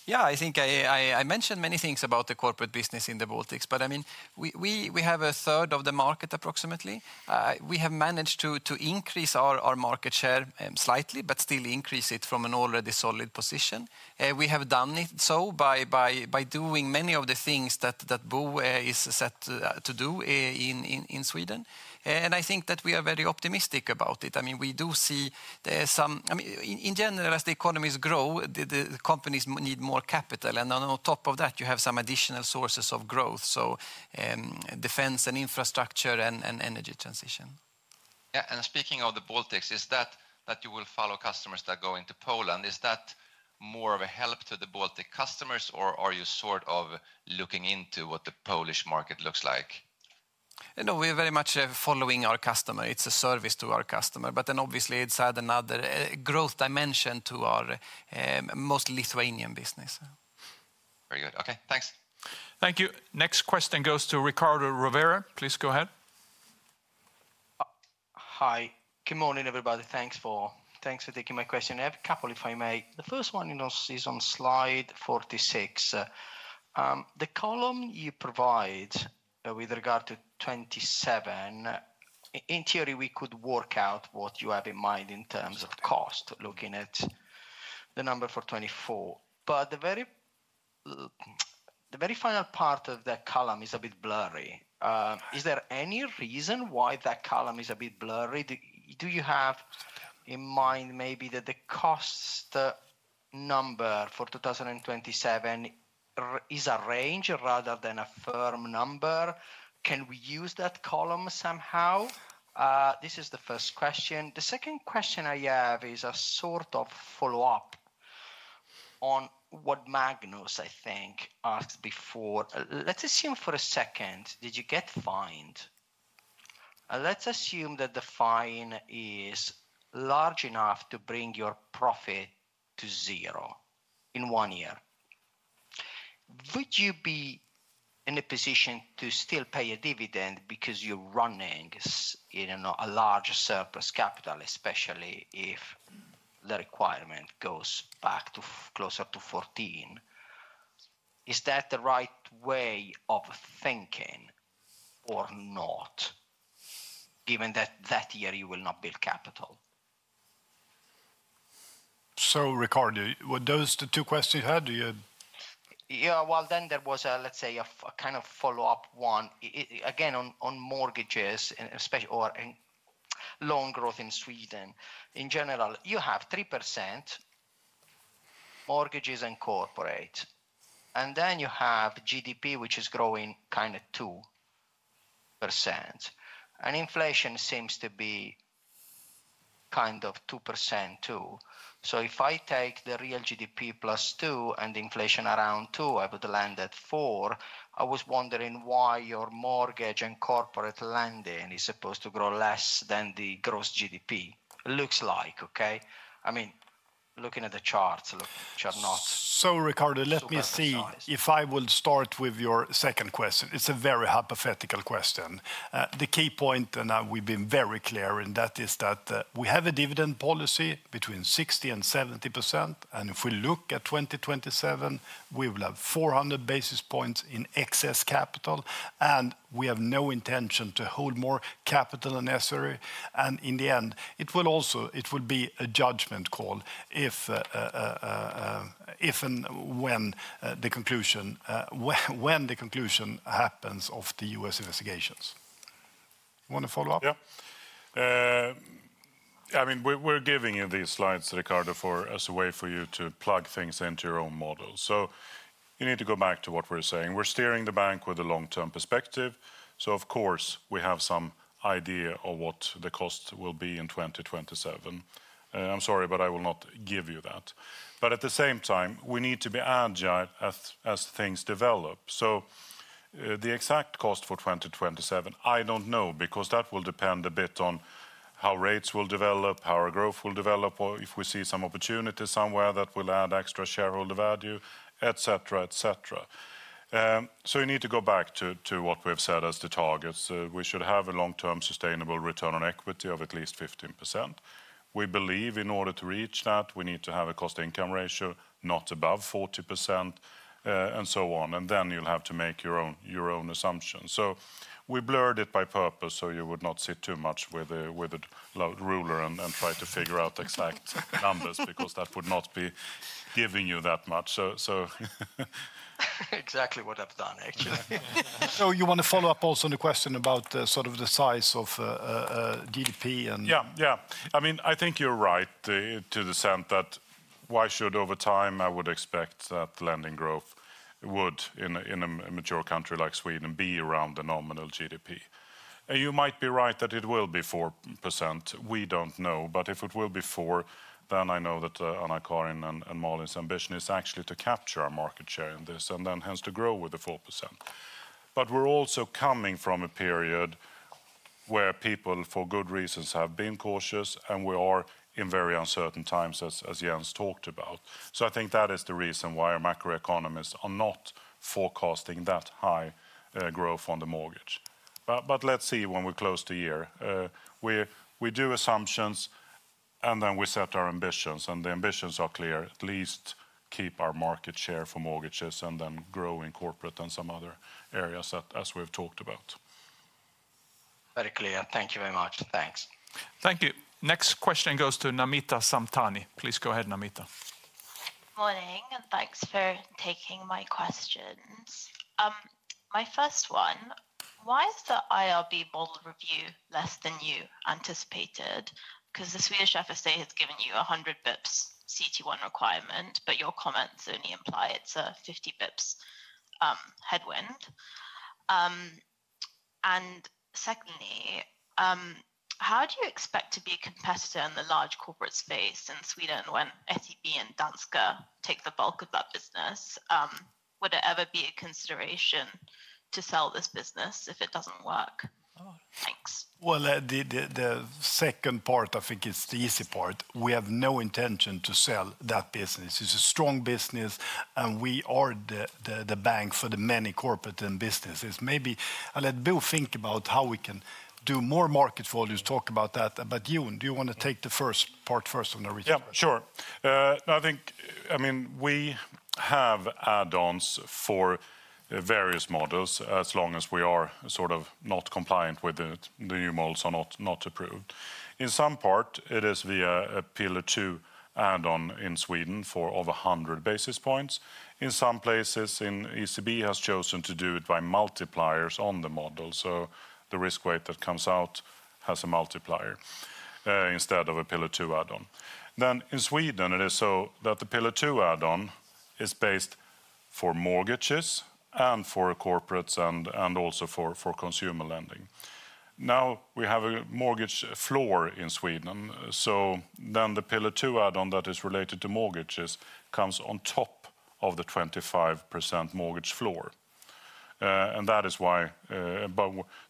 Yeah, I think I mentioned many things about the corporate business in the Baltics, but I mean, we have a third of the market approximately. We have managed to increase our market share slightly, but still increase it from an already solid position. We have done it so by doing many of the things that Bo is set to do in Sweden. I think that we are very optimistic about it. I mean, we do see some, I mean, in general, as the economies grow, the companies need more capital. On top of that, you have some additional sources of growth, so defense and infrastructure and energy transition. Yeah, and speaking of the Baltics, is that that you will follow customers that go into Poland? Is that more of a help to the Baltic customers, or are you sort of looking into what the Polish market looks like? No, we are very much following our customer. It is a service to our customer. Then obviously, it has had another growth dimension to our most Lithuanian business. Very good. Okay, thanks. Thank you. Next question goes to Ricardo Rivera. Please go ahead. Hi, good morning, everybody. Thanks for taking my question. I have a couple, if I may. The first one is on slide 46. The column you provide with regard to 2027, in theory, we could work out what you have in mind in terms of cost, looking at the number for 2024. The very final part of that column is a bit blurry. Is there any reason why that column is a bit blurry? Do you have in mind maybe that the cost number for 2027 is a range rather than a firm number? Can we use that column somehow? This is the first question. The second question I have is a sort of follow-up on what Magnus, I think, asked before. Let's assume for a second, did you get fined? Let's assume that the fine is large enough to bring your profit to zero in one year. Would you be in a position to still pay a dividend because you're running a larger surplus capital, especially if the requirement goes back to closer to 14%? Is that the right way of thinking or not, given that that year you will not build capital? Ricardo, were those the two questions you had? Yeah, there was, let's say, a kind of follow-up one. Again, on mortgages, especially or in loan growth in Sweden, in general, you have 3% mortgages and corporate. Then you have GDP, which is growing kind of 2%. Inflation seems to be kind of 2% too. If I take the real GDP plus 2 and inflation around 2, I would land at 4. I was wondering why your mortgage and corporate lending is supposed to grow less than the gross GDP looks like, okay? I mean, looking at the charts, which are not. Ricardo, let me see if I will start with your second question. It's a very hypothetical question. The key point, and we've been very clear in that, is that we have a dividend policy between 60% and 70%. If we look at 2027, we will have 400 basis points in excess capital. We have no intention to hold more capital unnecessary. In the end, it will also be a judgment call if and when the conclusion happens of the U.S. investigations. You want to follow up? Yeah. I mean, we're giving you these slides, Ricardo, as a way for you to plug things into your own model. You need to go back to what we're saying. We're steering the bank with a long-term perspective. Of course, we have some idea of what the cost will be in 2027. I'm sorry, but I will not give you that. At the same time, we need to be agile as things develop. The exact cost for 2027, I don't know, because that will depend a bit on how rates will develop, how our growth will develop, or if we see some opportunity somewhere that will add extra shareholder value, et cetera, et cetera. You need to go back to what we've said as the targets. We should have a long-term sustainable return on equity of at least 15%. We believe in order to reach that, we need to have a cost-income ratio not above 40% and so on. Then you'll have to make your own assumptions. We blurred it by purpose so you would not sit too much with a ruler and try to figure out exact numbers because that would not be giving you that much. Exactly what I've done, actually. You want to follow up also on the question about sort of the size of GDP and. Yeah, yeah. I mean, I think you're right to the sense that why should, over time, I would expect that lending growth would, in a mature country like Sweden, be around the nominal GDP. You might be right that it will be 4%. We do not know. If it will be 4%, then I know that Anna-Karin and Malin's ambition is actually to capture our market share in this and then hence to grow with the 4%. But we're also coming from a period where people, for good reasons, have been cautious, and we are in very uncertain times, as Jens talked about. I think that is the reason why our macroeconomists are not forecasting that high growth on the mortgage. Let's see when we close the year. We do assumptions, and then we set our ambitions. The ambitions are clear. At least keep our market share for mortgages and then grow in corporate and some other areas, as we've talked about. Very clear. Thank you very much. Thanks. Thank you. Next question goes to Namita Samtani. Please go ahead, Namita. Good morning, and thanks for taking my questions. My first one, why is the IRB bold review less than you anticipated? Because the Swedish FSA has given you a 100 basis points CET1 requirement, but your comments only imply it's a 50 basis points headwind. Secondly, how do you expect to be a competitor in the large corporate space in Sweden when SEB and Danska take the bulk of that business? Would it ever be a consideration to sell this business if it does not work? Thanks. The second part, I think it is the easy part. We have no intention to sell that business. It is a strong business, and we are the bank for the many corporate businesses. Maybe I will let Bo think about how we can do more market volumes, talk about that. Jon, do you want to take the first part first on the research? Yeah, sure. I think, I mean, we have add-ons for various models as long as we are sort of not compliant with the new models are not approved. In some part, it is via a Pillar 2 add-on in Sweden for over 100 basis points. In some places, ECB has chosen to do it by multipliers on the model. The risk weight that comes out has a multiplier instead of a Pillar 2 add-on. In Sweden, it is so that the Pillar 2 add-on is based for mortgages and for corporates and also for consumer lending. Now we have a mortgage floor in Sweden. The Pillar 2 add-on that is related to mortgages comes on top of the 25% mortgage floor. That is why,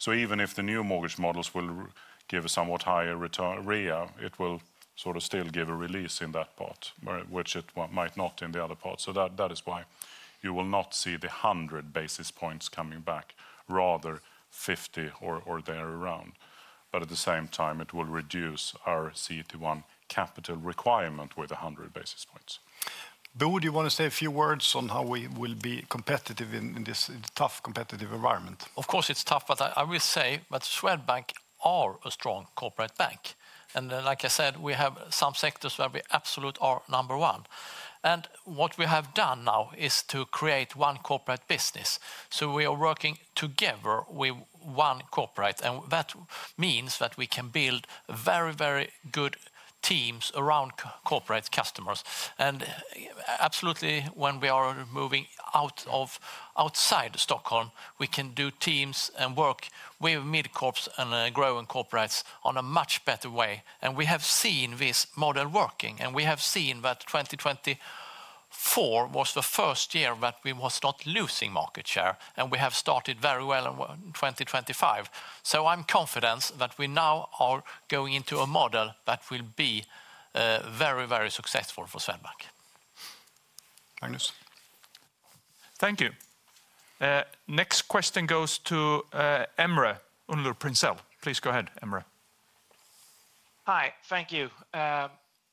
even if the new mortgage models will give a somewhat higher REA, it will sort of still give a release in that part, which it might not in the other part. That is why you will not see the 100 basis points coming back, rather 50 or there around. At the same time, it will reduce our CET1 capital requirement with 100 basis points. Bo, do you want to say a few words on how we will be competitive in this tough competitive environment? Of course, it is tough, but I will say that Swedbank is a strong corporate bank. Like I said, we have some sectors where we absolutely are number one. What we have done now is to create one corporate business. We are working together with one corporate. That means that we can build very, very good teams around corporate customers. Absolutely, when we are moving outside Stockholm, we can do teams and work with mid-corps and growing corporates in a much better way. We have seen this model working. We have seen that 2024 was the first year that we were not losing market share. We have started very well in 2025. I am confident that we now are going into a model that will be very, very successful for Swedbank. Magnus. Thank you. Next question goes to Emre Unlu Prinzell. Please go ahead, Emre. Hi, thank you.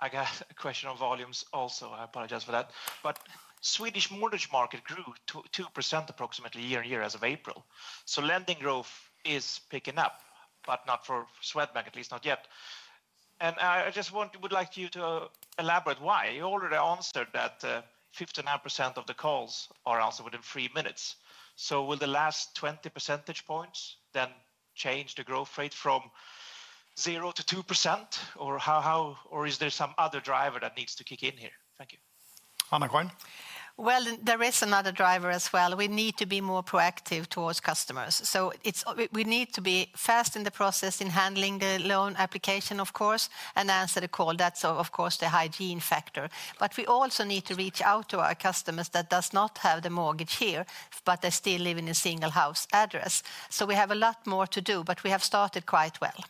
I got a question on volumes also. I apologize for that. The Swedish mortgage market grew 2% approximately year on year as of April. Lending growth is picking up, but not for Swedbank, at least not yet. I just would like you to elaborate why. You already answered that 59% of the calls are answered within three minutes. Will the last 20 percentage points then change the growth rate from 0 to 2%? Or is there some other driver that needs to kick in here? Thank you. Anna-Karin. There is another driver as well. We need to be more proactive towards customers. We need to be fast in the process in handling the loan application, of course, and answer the call. That is, of course, the hygiene factor. We also need to reach out to our customers that do not have the mortgage here, but they still live in a single house address. We have a lot more to do, but we have started quite well.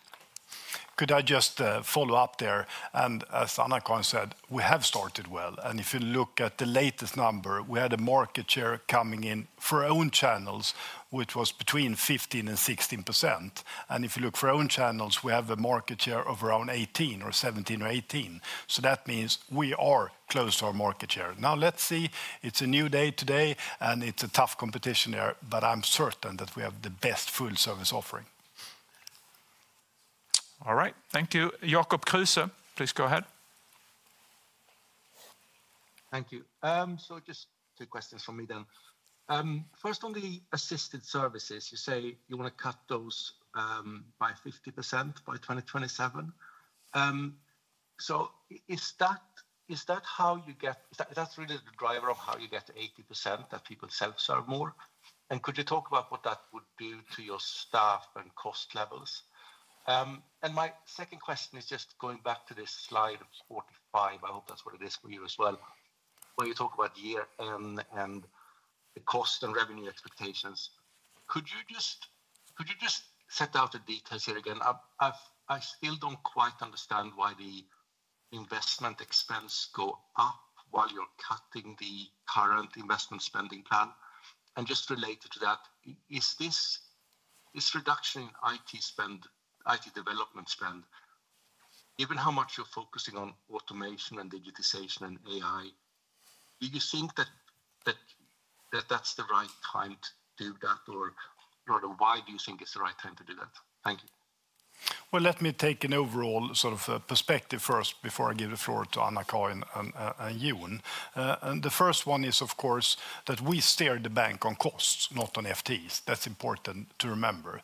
Could I just follow up there? As Anna-Karin said, we have started well. If you look at the latest number, we had a market share coming in for our own channels, which was between 15% and 16%. If you look for our own channels, we have a market share of around 17% or 18%. That means we are close to our market share. Now let's see. It's a new day today, and it's a tough competition here, but I'm certain that we have the best full-service offering. All right. Thank you. Jakob Kruse, please go ahead. Thank you. Just two questions from me then. First, on the assisted services, you say you want to cut those by 50% by 2027. Is that really the driver of how you get to 80%, that people self-serve more? Could you talk about what that would do to your staff and cost levels? My second question is just going back to this slide of 45. I hope that's what it is for you as well. When you talk about year-end and the cost and revenue expectations, could you just set out the details here again? I still do not quite understand why the investment expense goes up while you are cutting the current investment spending plan. And just related to that, is this reduction in IT development spend, given how much you are focusing on automation and digitization and AI, do you think that that is the right time to do that? Or rather, why do you think it is the right time to do that? Thank you. Let me take an overall sort of perspective first before I give the floor to Anna-Karin and Jon. The first one is, of course, that we steer the bank on costs, not on FTs. That is important to remember.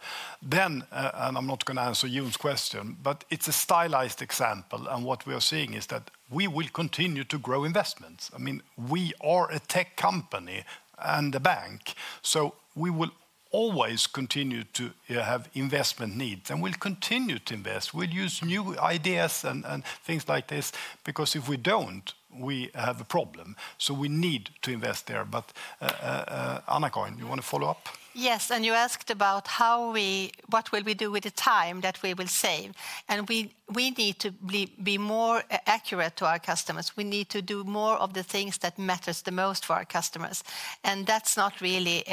I am not going to answer Jon's question, but it is a stylized example. What we are seeing is that we will continue to grow investments. I mean, we are a tech company and a bank, so we will always continue to have investment needs. We will continue to invest. We will use new ideas and things like this because if we do not, we have a problem. We need to invest there. Anna-Karin, you want to follow up? Yes. You asked about how we, what will we do with the time that we will save. We need to be more accurate to our customers. We need to do more of the things that matter the most for our customers. That is not really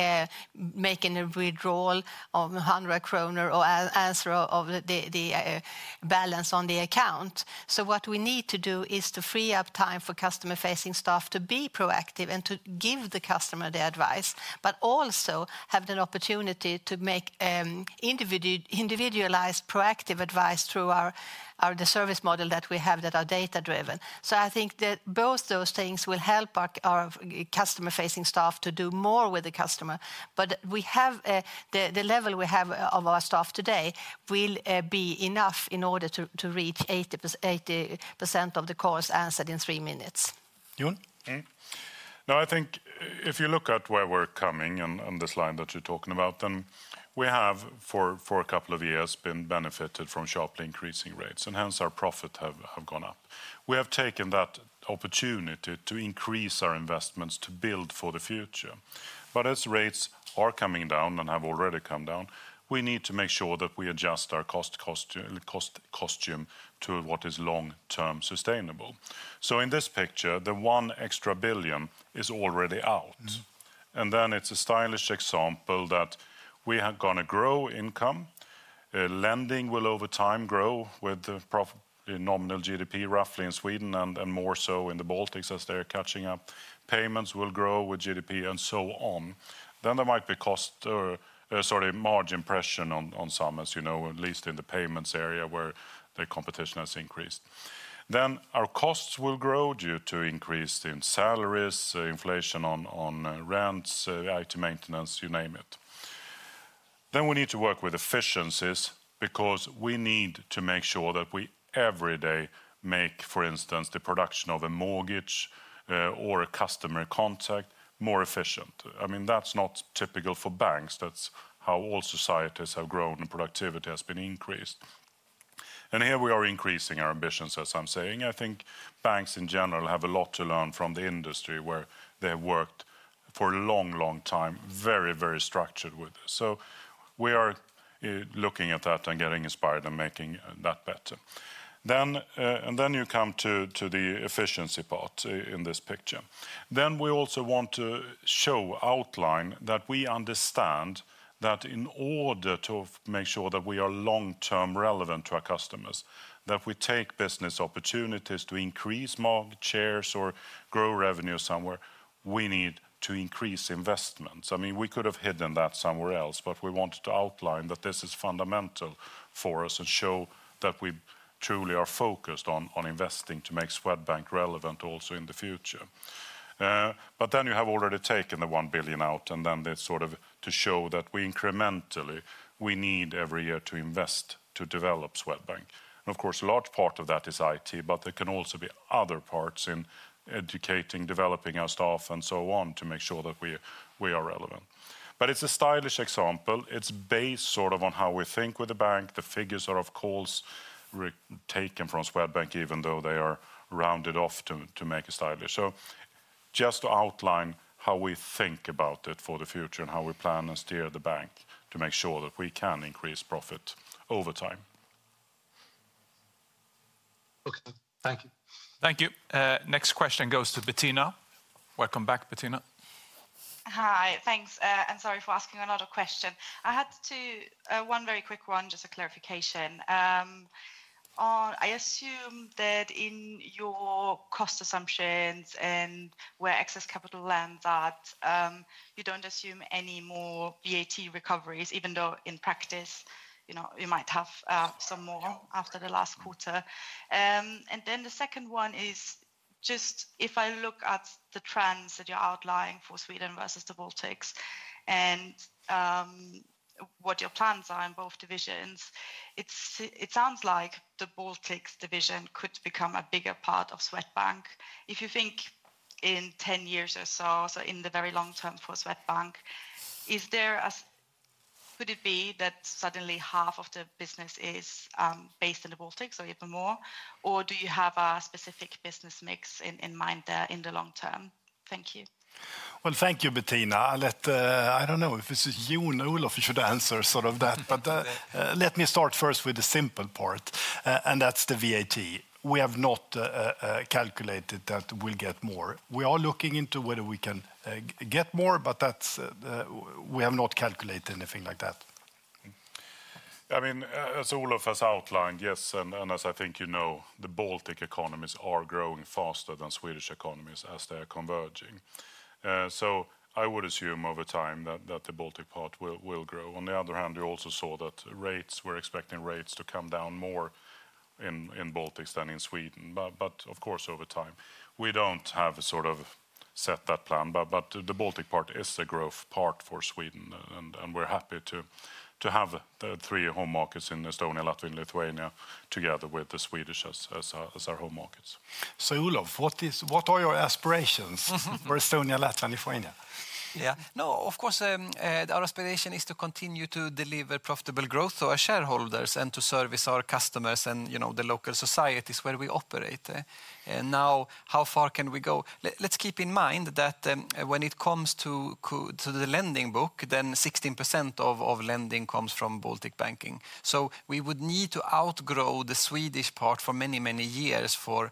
making a withdrawal of 100 kronor or answer of the balance on the account. What we need to do is to free up time for customer-facing staff to be proactive and to give the customer the advice, but also have an opportunity to make individualized proactive advice through the service model that we have that are data-driven. I think that both those things will help our customer-facing staff to do more with the customer. The level we have of our staff today will be enough in order to reach 80% of the calls answered in three minutes. Jon? No, I think if you look at where we're coming and this line that you're talking about, we have for a couple of years been benefited from sharply increasing rates. Hence our profits have gone up. We have taken that opportunity to increase our investments to build for the future. As rates are coming down and have already come down, we need to make sure that we adjust our cost costume to what is long-term sustainable. In this picture, the one extra billion is already out. It is a stylish example that we are going to grow income. Lending will over time grow with the nominal GDP roughly in Sweden and more so in the Baltics as they are catching up. Payments will grow with GDP and so on. There might be cost or, sorry, margin pressure on some, as you know, at least in the payments area where the competition has increased. Our costs will grow due to increase in salaries, inflation on rents, IT maintenance, you name it. We need to work with efficiencies because we need to make sure that we every day make, for instance, the production of a mortgage or a customer contact more efficient. I mean, that's not typical for banks. That's how all societies have grown and productivity has been increased. Here we are increasing our ambitions, as I'm saying. I think banks in general have a lot to learn from the industry where they have worked for a long, long time, very, very structured with. We are looking at that and getting inspired and making that better. You come to the efficiency part in this picture. We also want to show, outline that we understand that in order to make sure that we are long-term relevant to our customers, that we take business opportunities to increase market shares or grow revenue somewhere, we need to increase investments. I mean, we could have hidden that somewhere else, but we wanted to outline that this is fundamental for us and show that we truly are focused on investing to make Swedbank relevant also in the future. You have already taken the 1 billion out and then this is sort of to show that we incrementally need every year to invest to develop Swedbank. Of course, a large part of that is IT, but there can also be other parts in educating, developing our staff and so on to make sure that we are relevant. It is a stylish example. It is based sort of on how we think with the bank. The figures are, of course, taken from Swedbank, even though they are rounded off to make it stylish. Just to outline how we think about it for the future and how we plan and steer the bank to make sure that we can increase profit over time. Okay, thank you. Thank you. Next question goes to Bettina. Welcome back, Bettina. Hi, thanks. Sorry for asking another question. I had one very quick one, just a clarification. I assume that in your cost assumptions and where excess capital lands at, you do not assume any more VAT recoveries, even though in practice, you might have some more after the last quarter. The second one is just if I look at the trends that you are outlining for Sweden versus the Baltics and what your plans are in both divisions, it sounds like the Baltics division could become a bigger part of Swedbank. If you think in 10 years or so, so in the very long term for Swedbank, could it be that suddenly half of the business is based in the Baltics or even more? Or do you have a specific business mix in mind there in the long term? Thank you. Thank you, Bettina. I do not know if it is Jon or Olof you should answer sort of that, but let me start first with the simple part, and that is the VAT. We have not calculated that we will get more. We are looking into whether we can get more, but we have not calculated anything like that. I mean, as Olof has outlined, yes, and as I think you know, the Baltic economies are growing faster than Swedish economies as they are converging. I would assume over time that the Baltic part will grow. On the other hand, you also saw that rates were expecting rates to come down more in Baltics than in Sweden. Of course, over time, we do not have sort of set that plan. The Baltic part is a growth part for Swedbank. We are happy to have the three home markets in Estonia, Latvia, and Lithuania together with the Swedish as our home markets. Olof, what are your aspirations for Estonia, Latvia, and Lithuania? Yeah, no, of course, our aspiration is to continue to deliver profitable growth to our shareholders and to service our customers and the local societies where we operate. Now, how far can we go? Let's keep in mind that when it comes to the lending book, 16% of lending comes from Baltic banking. We would need to outgrow the Swedish part for many, many years for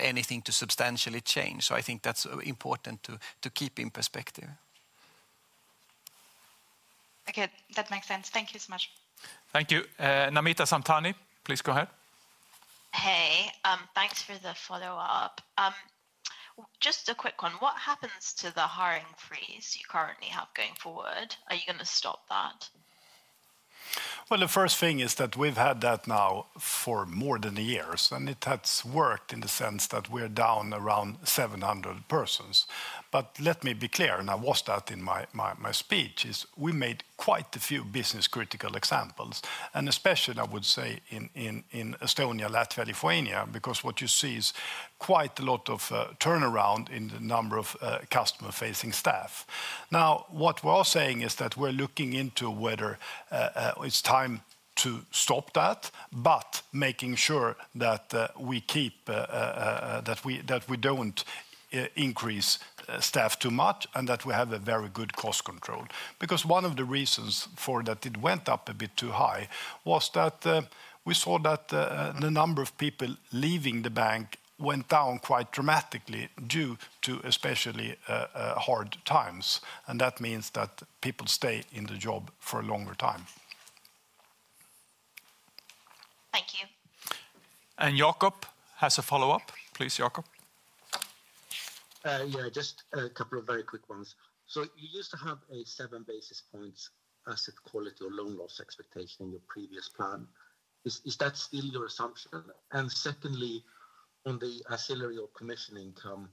anything to substantially change. I think that's important to keep in perspective. Okay, that makes sense. Thank you so much. Thank you. Namita Samtani, please go ahead. Hey, thanks for the follow-up. Just a quick one. What happens to the hiring freeze you currently have going forward? Are you going to stop that? The first thing is that we've had that now for more than a year. It has worked in the sense that we're down around 700 persons. Let me be clear, and I was that in my speech, is we made quite a few business-critical examples. Especially, I would say, in Estonia, Latvia, and Lithuania, because what you see is quite a lot of turnaround in the number of customer-facing staff. Now, what we are saying is that we're looking into whether it's time to stop that, but making sure that we keep that we don't increase staff too much and that we have a very good cost control. Because one of the reasons for that it went up a bit too high was that we saw that the number of people leaving the bank went down quite dramatically due to especially hard times. That means that people stay in the job for a longer time. Thank you. Jakob has a follow-up. Please, Jakob. Yeah, just a couple of very quick ones. You used to have a seven basis points asset quality or loan loss expectation in your previous plan. Is that still your assumption? Secondly, on the ancillary or commission income,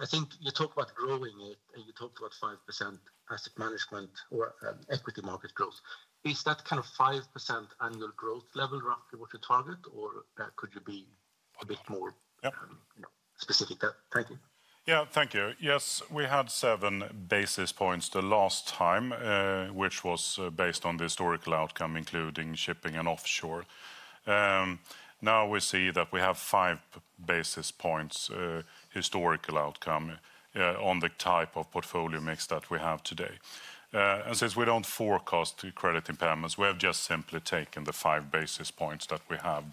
I think you talked about growing it and you talked about 5% asset management or equity market growth. Is that kind of 5% annual growth level roughly what you target? Or could you be a bit more specific? Thank you. Yeah, thank you. Yes, we had seven basis points the last time, which was based on the historical outcome, including shipping and offshore. Now we see that we have five basis points historical outcome on the type of portfolio mix that we have today. Since we do not forecast credit impairments, we have just simply taken the five basis points that we have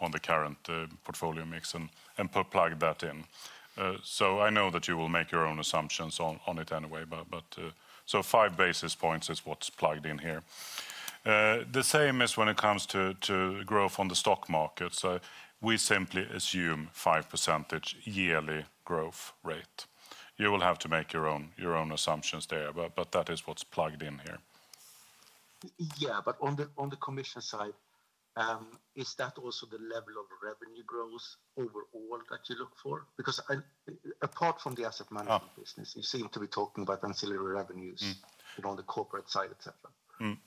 on the current portfolio mix and plugged that in. I know that you will make your own assumptions on it anyway. Five basis points is what is plugged in here. The same is when it comes to growth on the stock market. We simply assume 5% yearly growth rate. You will have to make your own assumptions there, but that is what is plugged in here. Yeah, but on the commission side, is that also the level of revenue growth overall that you look for? Because apart from the asset management business, you seem to be talking about ancillary revenues on the corporate side, etc.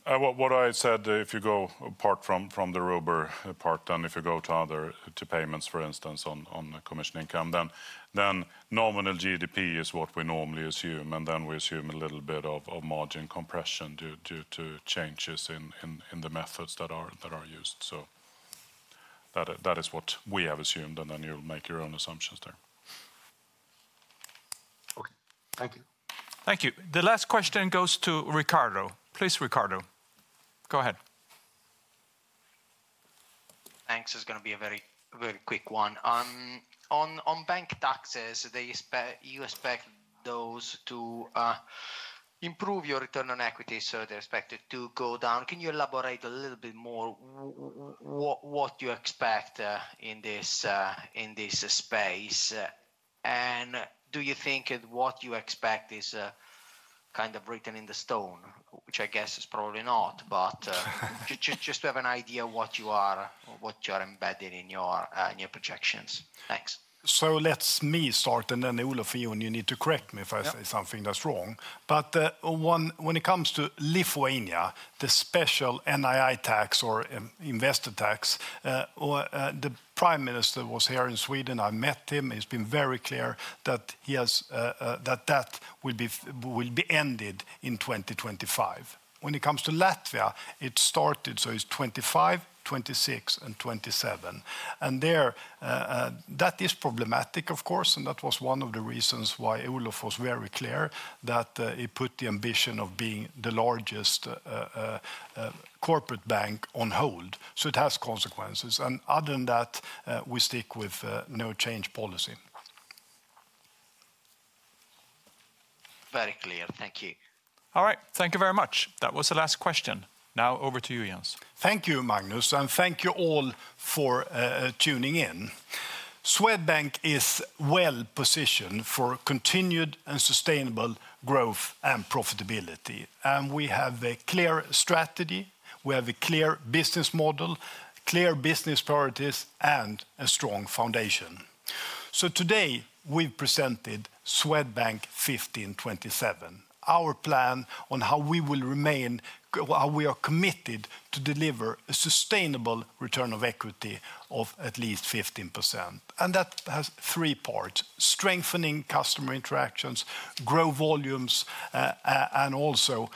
What I said, if you go apart from the Robur part, then if you go to payments, for instance, on commission income, then nominal GDP is what we normally assume. We assume a little bit of margin compression due to changes in the methods that are used. That is what we have assumed. You will make your own assumptions there. Okay, thank you. Thank you. The last question goes to Ricardo. Please, Ricardo. Go ahead. Thanks. It's going to be a very quick one. On bank taxes, you expect those to improve your return on equity, so they're expected to go down. Can you elaborate a little bit more what you expect in this space? Do you think that what you expect is kind of written in the stone, which I guess is probably not, but just to have an idea of what you are or what you are embedding in your projections? Thanks. Let me start, and then Olof, you need to correct me if I say something that's wrong. When it comes to Lithuania, the special NII tax or investor tax, the Prime Minister was here in Sweden. I met him. He's been very clear that that will be ended in 2025. When it comes to Latvia, it started, so it's 2025, 2026, and 2027. That is problematic, of course. That was one of the reasons why Olof was very clear that he put the ambition of being the largest corporate bank on hold. It has consequences. Other than that, we stick with no change policy. Very clear. Thank you. All right. Thank you very much. That was the last question. Now over to you, Jens. \ Thank you, Magnus. Thank you all for tuning in. Swedbank is well positioned for continued and sustainable growth and profitability. We have a clear strategy. We have a clear business model, clear business priorities, and a strong foundation. Today, we have presented Swedbank 1527, our plan on how we will remain, how we are committed to deliver a sustainable return on equity of at least 15%. That has three parts: strengthening customer interactions, grow volumes, and also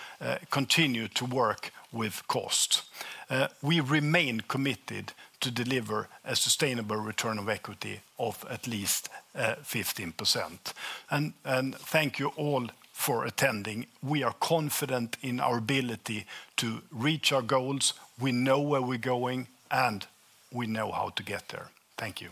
continue to work with costs. We remain committed to deliver a sustainable return on equity of at least 15%. Thank you all for attending. We are confident in our ability to reach our goals. We know where we are going, and we know how to get there. Thank you.